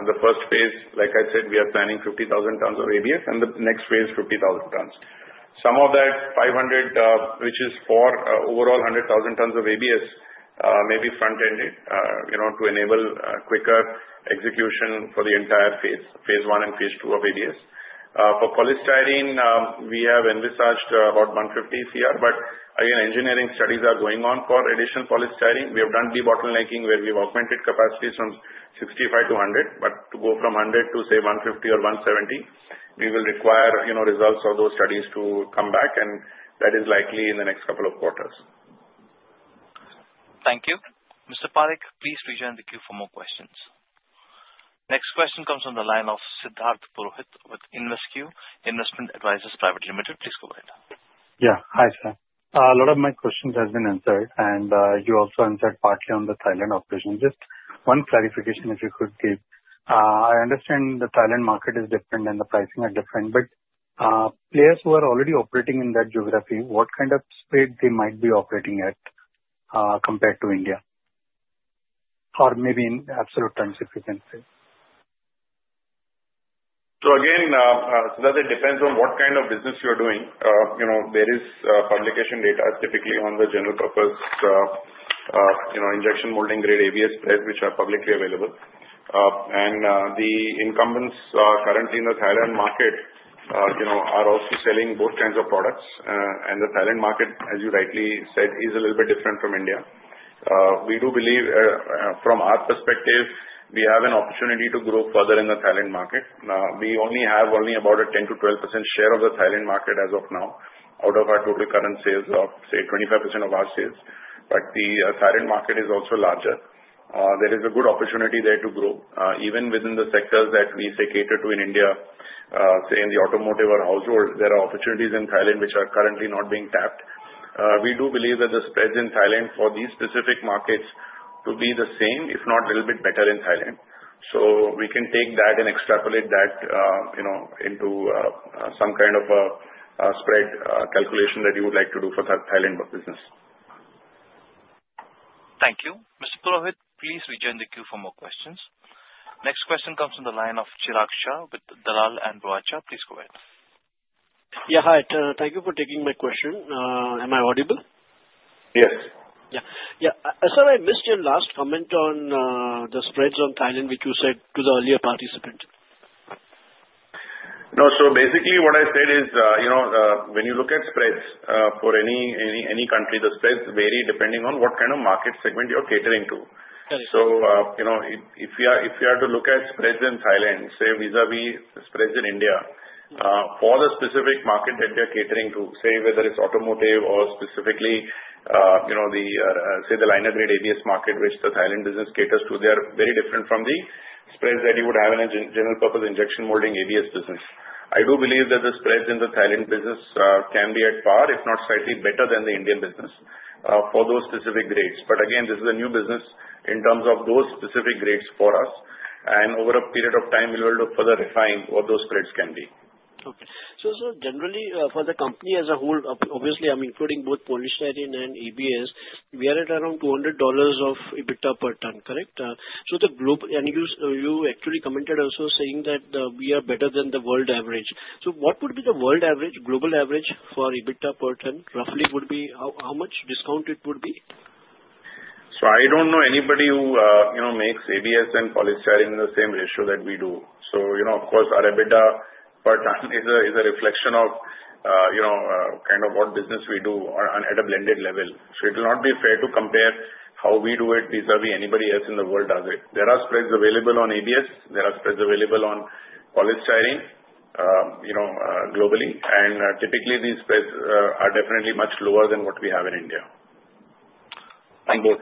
The first phase, like I said, we are planning 50,000 tons of ABS, and the next phase, 50,000 tons. Some of that 500 crore, which is for overall 100,000 tons of ABS, may be front-ended to enable quicker execution for the entire phase, phase one and phase two of ABS. For polystyrene, we have envisaged about 150 crore. But again, engineering studies are going on for additional polystyrene. We have done de-bottlenecking where we've augmented capacities from 65 to 100. But to go from 100 to, say, 150 or 170, we will require results of those studies to come back, and that is likely in the next couple of quarters. Thank you. Mr. Parikh, please rejoin the queue for more questions. Next question comes from the line of Siddharth Purohit with InvesQ Investment Advisors Private Limited. Please go ahead. Yeah. Hi, sir. A lot of my questions have been answered, and you also answered partly on the Thailand operation. Just one clarification, if you could give. I understand the Thailand market is different and the pricing are different, but players who are already operating in that geography, what kind of spread they might be operating at compared to India? Or maybe in absolute terms, if you can say. So again, Siddharth, it depends on what kind of business you're doing. There is publication data typically on the general-purpose injection molding grade ABS spreads, which are publicly available. And the incumbents currently in the Thailand market are also selling both kinds of products. And the Thailand market, as you rightly said, is a little bit different from India. We do believe, from our perspective, we have an opportunity to grow further in the Thailand market. We only have about a 10%-12% share of the Thailand market as of now out of our total current sales of, say, 25% of our sales. But the Thailand market is also larger. There is a good opportunity there to grow. Even within the sectors that we say cater to in India, say, in the automotive or household, there are opportunities in Thailand which are currently not being tapped. We do believe that the spreads in Thailand for these specific markets could be the same, if not a little bit better in Thailand, so we can take that and extrapolate that into some kind of a spread calculation that you would like to do for the Thailand business. Thank you. Mr. Purohit, please rejoin the queue for more questions. Next question comes from the line of Chirag Shah with Dalal & Broacha. Please go ahead. Yeah. Hi. Thank you for taking my question. Am I audible? Yes. Yeah. Yeah. Sir, I missed your last comment on the spreads on Thailand, which you said to the earlier participant. No. So basically, what I said is when you look at spreads for any country, the spreads vary depending on what kind of market segment you're catering to. So if you are to look at spreads in Thailand, say, vis-à-vis spreads in India, for the specific market that they're catering to, say, whether it's automotive or specifically the, say, the liner-grade ABS market, which the Thailand business caters to, they are very different from the spreads that you would have in a general-purpose injection molding ABS business. I do believe that the spreads in the Thailand business can be at par, if not slightly better than the Indian business for those specific grades. But again, this is a new business in terms of those specific grades for us. And over a period of time, we will look to further refine what those spreads can be. Okay. So sir, generally, for the company as a whole, obviously, I'm including both Polystyrene and ABS, we are at around $200 of EBITDA per ton, correct? And you actually commented also saying that we are better than the world average. So what would be the world average, global average for EBITDA per ton, roughly would be? How much discount it would be? I don't know anybody who makes ABS and Polystyrene in the same ratio that we do. Of course, our EBITDA per ton is a reflection of kind of what business we do at a blended level. It will not be fair to compare how we do it vis-à-vis anybody else in the world does it. There are spreads available on ABS. There are spreads available on Polystyrene globally. Typically, these spreads are definitely much lower than what we have in India. On both.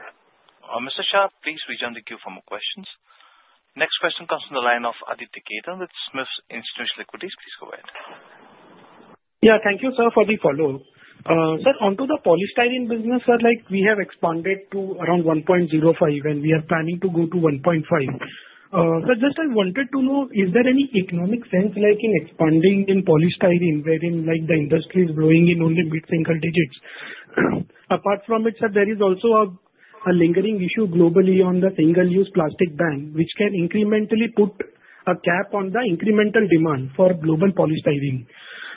Mr. Shah, please rejoin the queue for more questions. Next question comes from the line of Aditya Khetan with SMIFS Limited. Please go ahead. Yeah. Thank you, sir, for the follow-up. Sir, onto the Polystyrene business, we have expanded to around 1.05, and we are planning to go to 1.5. But just I wanted to know, is there any economic sense in expanding in Polystyrene wherein the industry is growing in only mid-single digits? Apart from it, sir, there is also a lingering issue globally on the single-use plastic ban, which can incrementally put a cap on the incremental demand for global Polystyrene.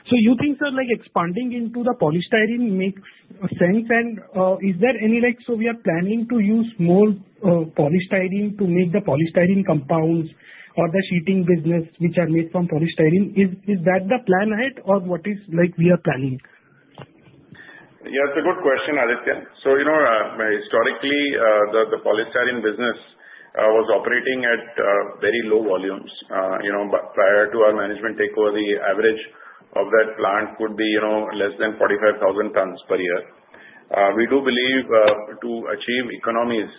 So you think, sir, expanding into the Polystyrene makes sense? And is there any so we are planning to use more Polystyrene to make the Polystyrene compounds or the sheeting business, which are made from Polystyrene. Is that the plan ahead, or what is we are planning? Yeah. It's a good question, Aditya. So historically, the polystyrene business was operating at very low volumes. Prior to our management takeover, the average of that plant could be less than 45,000 tons per year. We do believe to achieve economies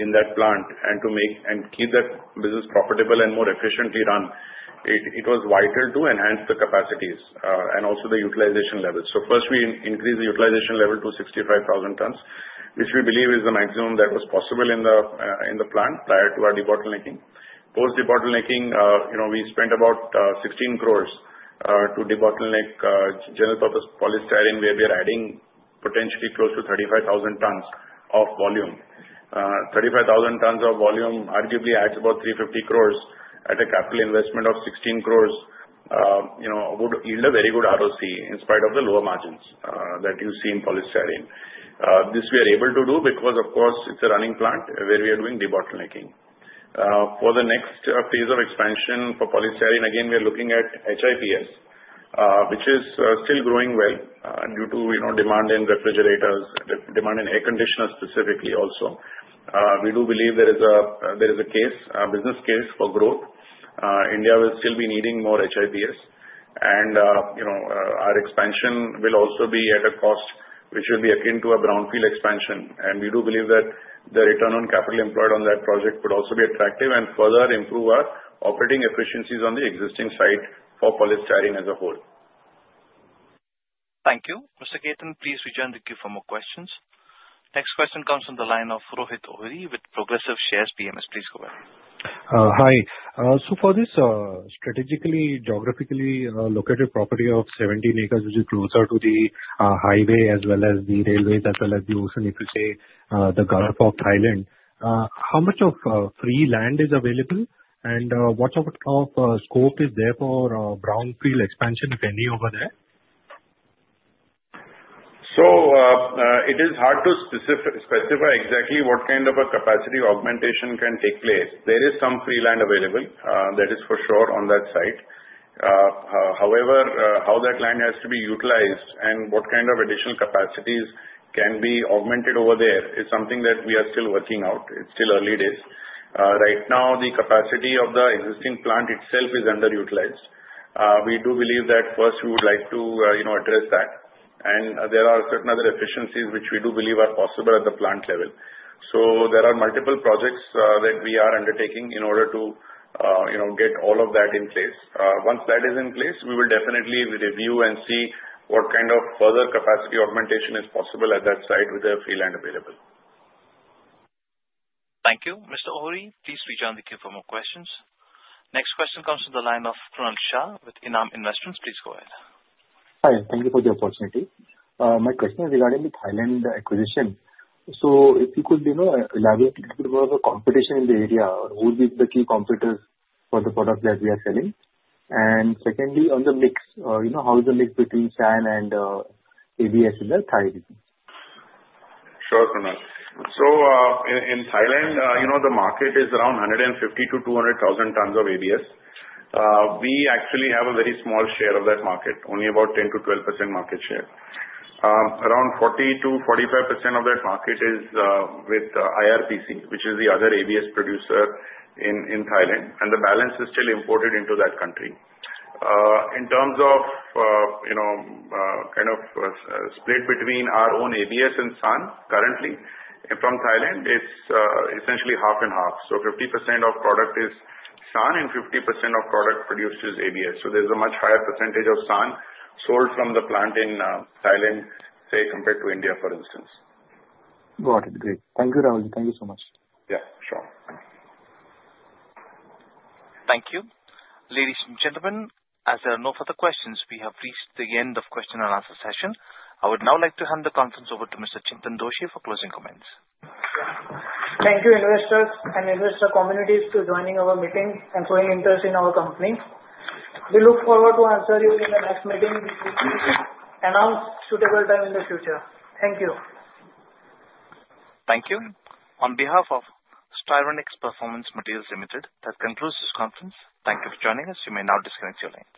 in that plant and to make and keep that business profitable and more efficiently run, it was vital to enhance the capacities and also the utilization levels. So first, we increased the utilization level to 65,000 tons, which we believe is the maximum that was possible in the plant prior to our de-bottlenecking. Post-debottlenecking, we spent about 16 crores to de-bottleneck general-purpose polystyrene where we are adding potentially close to 35,000 tons of volume. 35,000 tons of volume arguably adds about 350 crores at a capital investment of 16 crores would yield a very good ROC in spite of the lower margins that you see in polystyrene. This we are able to do because, of course, it's a running plant where we are doing de-bottlenecking. For the next phase of expansion for Polystyrene, again, we are looking at HIPS, which is still growing well due to demand in refrigerators, demand in air conditioners specifically also. We do believe there is a case, a business case for growth. India will still be needing more HIPS, and our expansion will also be at a cost which will be akin to a brownfield expansion, and we do believe that the return on capital employed on that project would also be attractive and further improve our operating efficiencies on the existing site for Polystyrene as a whole. Thank you. Mr. Khetan, please rejoin the queue for more questions. Next question comes from the line of Rohit Ohri with Progressive Shares PMS. Please go ahead. Hi. So for this strategically geographically located property of 17 acres, which is closer to the highway as well as the railways as well as the ocean, if you say, the Gulf of Thailand, how much of free land is available? And what sort of scope is there for brownfield expansion, if any, over there? So it is hard to specify exactly what kind of a capacity augmentation can take place. There is some free land available. That is for sure on that site. However, how that land has to be utilized and what kind of additional capacities can be augmented over there is something that we are still working out. It's still early days. Right now, the capacity of the existing plant itself is underutilized. We do believe that first we would like to address that. And there are certain other efficiencies which we do believe are possible at the plant level. So there are multiple projects that we are undertaking in order to get all of that in place. Once that is in place, we will definitely review and see what kind of further capacity augmentation is possible at that site with the free land available. Thank you. Mr. Ohri, please rejoin the queue for more questions. Next question comes from the line of Karan Shah with Enam Holdings. Please go ahead. Hi. Thank you for the opportunity. My question is regarding the Thailand acquisition. So if you could elaborate a little bit more on the competition in the area, who would be the key competitors for the product that we are selling? And secondly, on the mix, how is the mix between SAN and ABS in the Thai business? Sure, Karan Shah. So in Thailand, the market is around 150-200 thousand tons of ABS. We actually have a very small share of that market, only about 10%-12% market share. Around 40%-45% of that market is with IRPC, which is the other ABS producer in Thailand. And the balance is still imported into that country. In terms of kind of split between our own ABS and SAN currently from Thailand, it is essentially half and half. So 50% of product is SAN and 50% of product produced is ABS. So there is a much higher percentage of SAN sold from the plant in Thailand, say, compared to India, for instance. Got it. Great. Thank you, Rahul. Thank you so much. Yeah. Sure. Thank you. Ladies and gentlemen, as there are no further questions, we have reached the end of question and answer session. I would now like to hand the conference over to Mr. Chintan Doshi for closing comments. Thank you, investors and investor communities for joining our meeting and for your interest in our company. We look forward to answer you in the next meeting announced suitable time in the future. Thank you. Thank you. On behalf of Styrenix Performance Materials Limited, that concludes this conference. Thank you for joining us. You may now disconnect your line.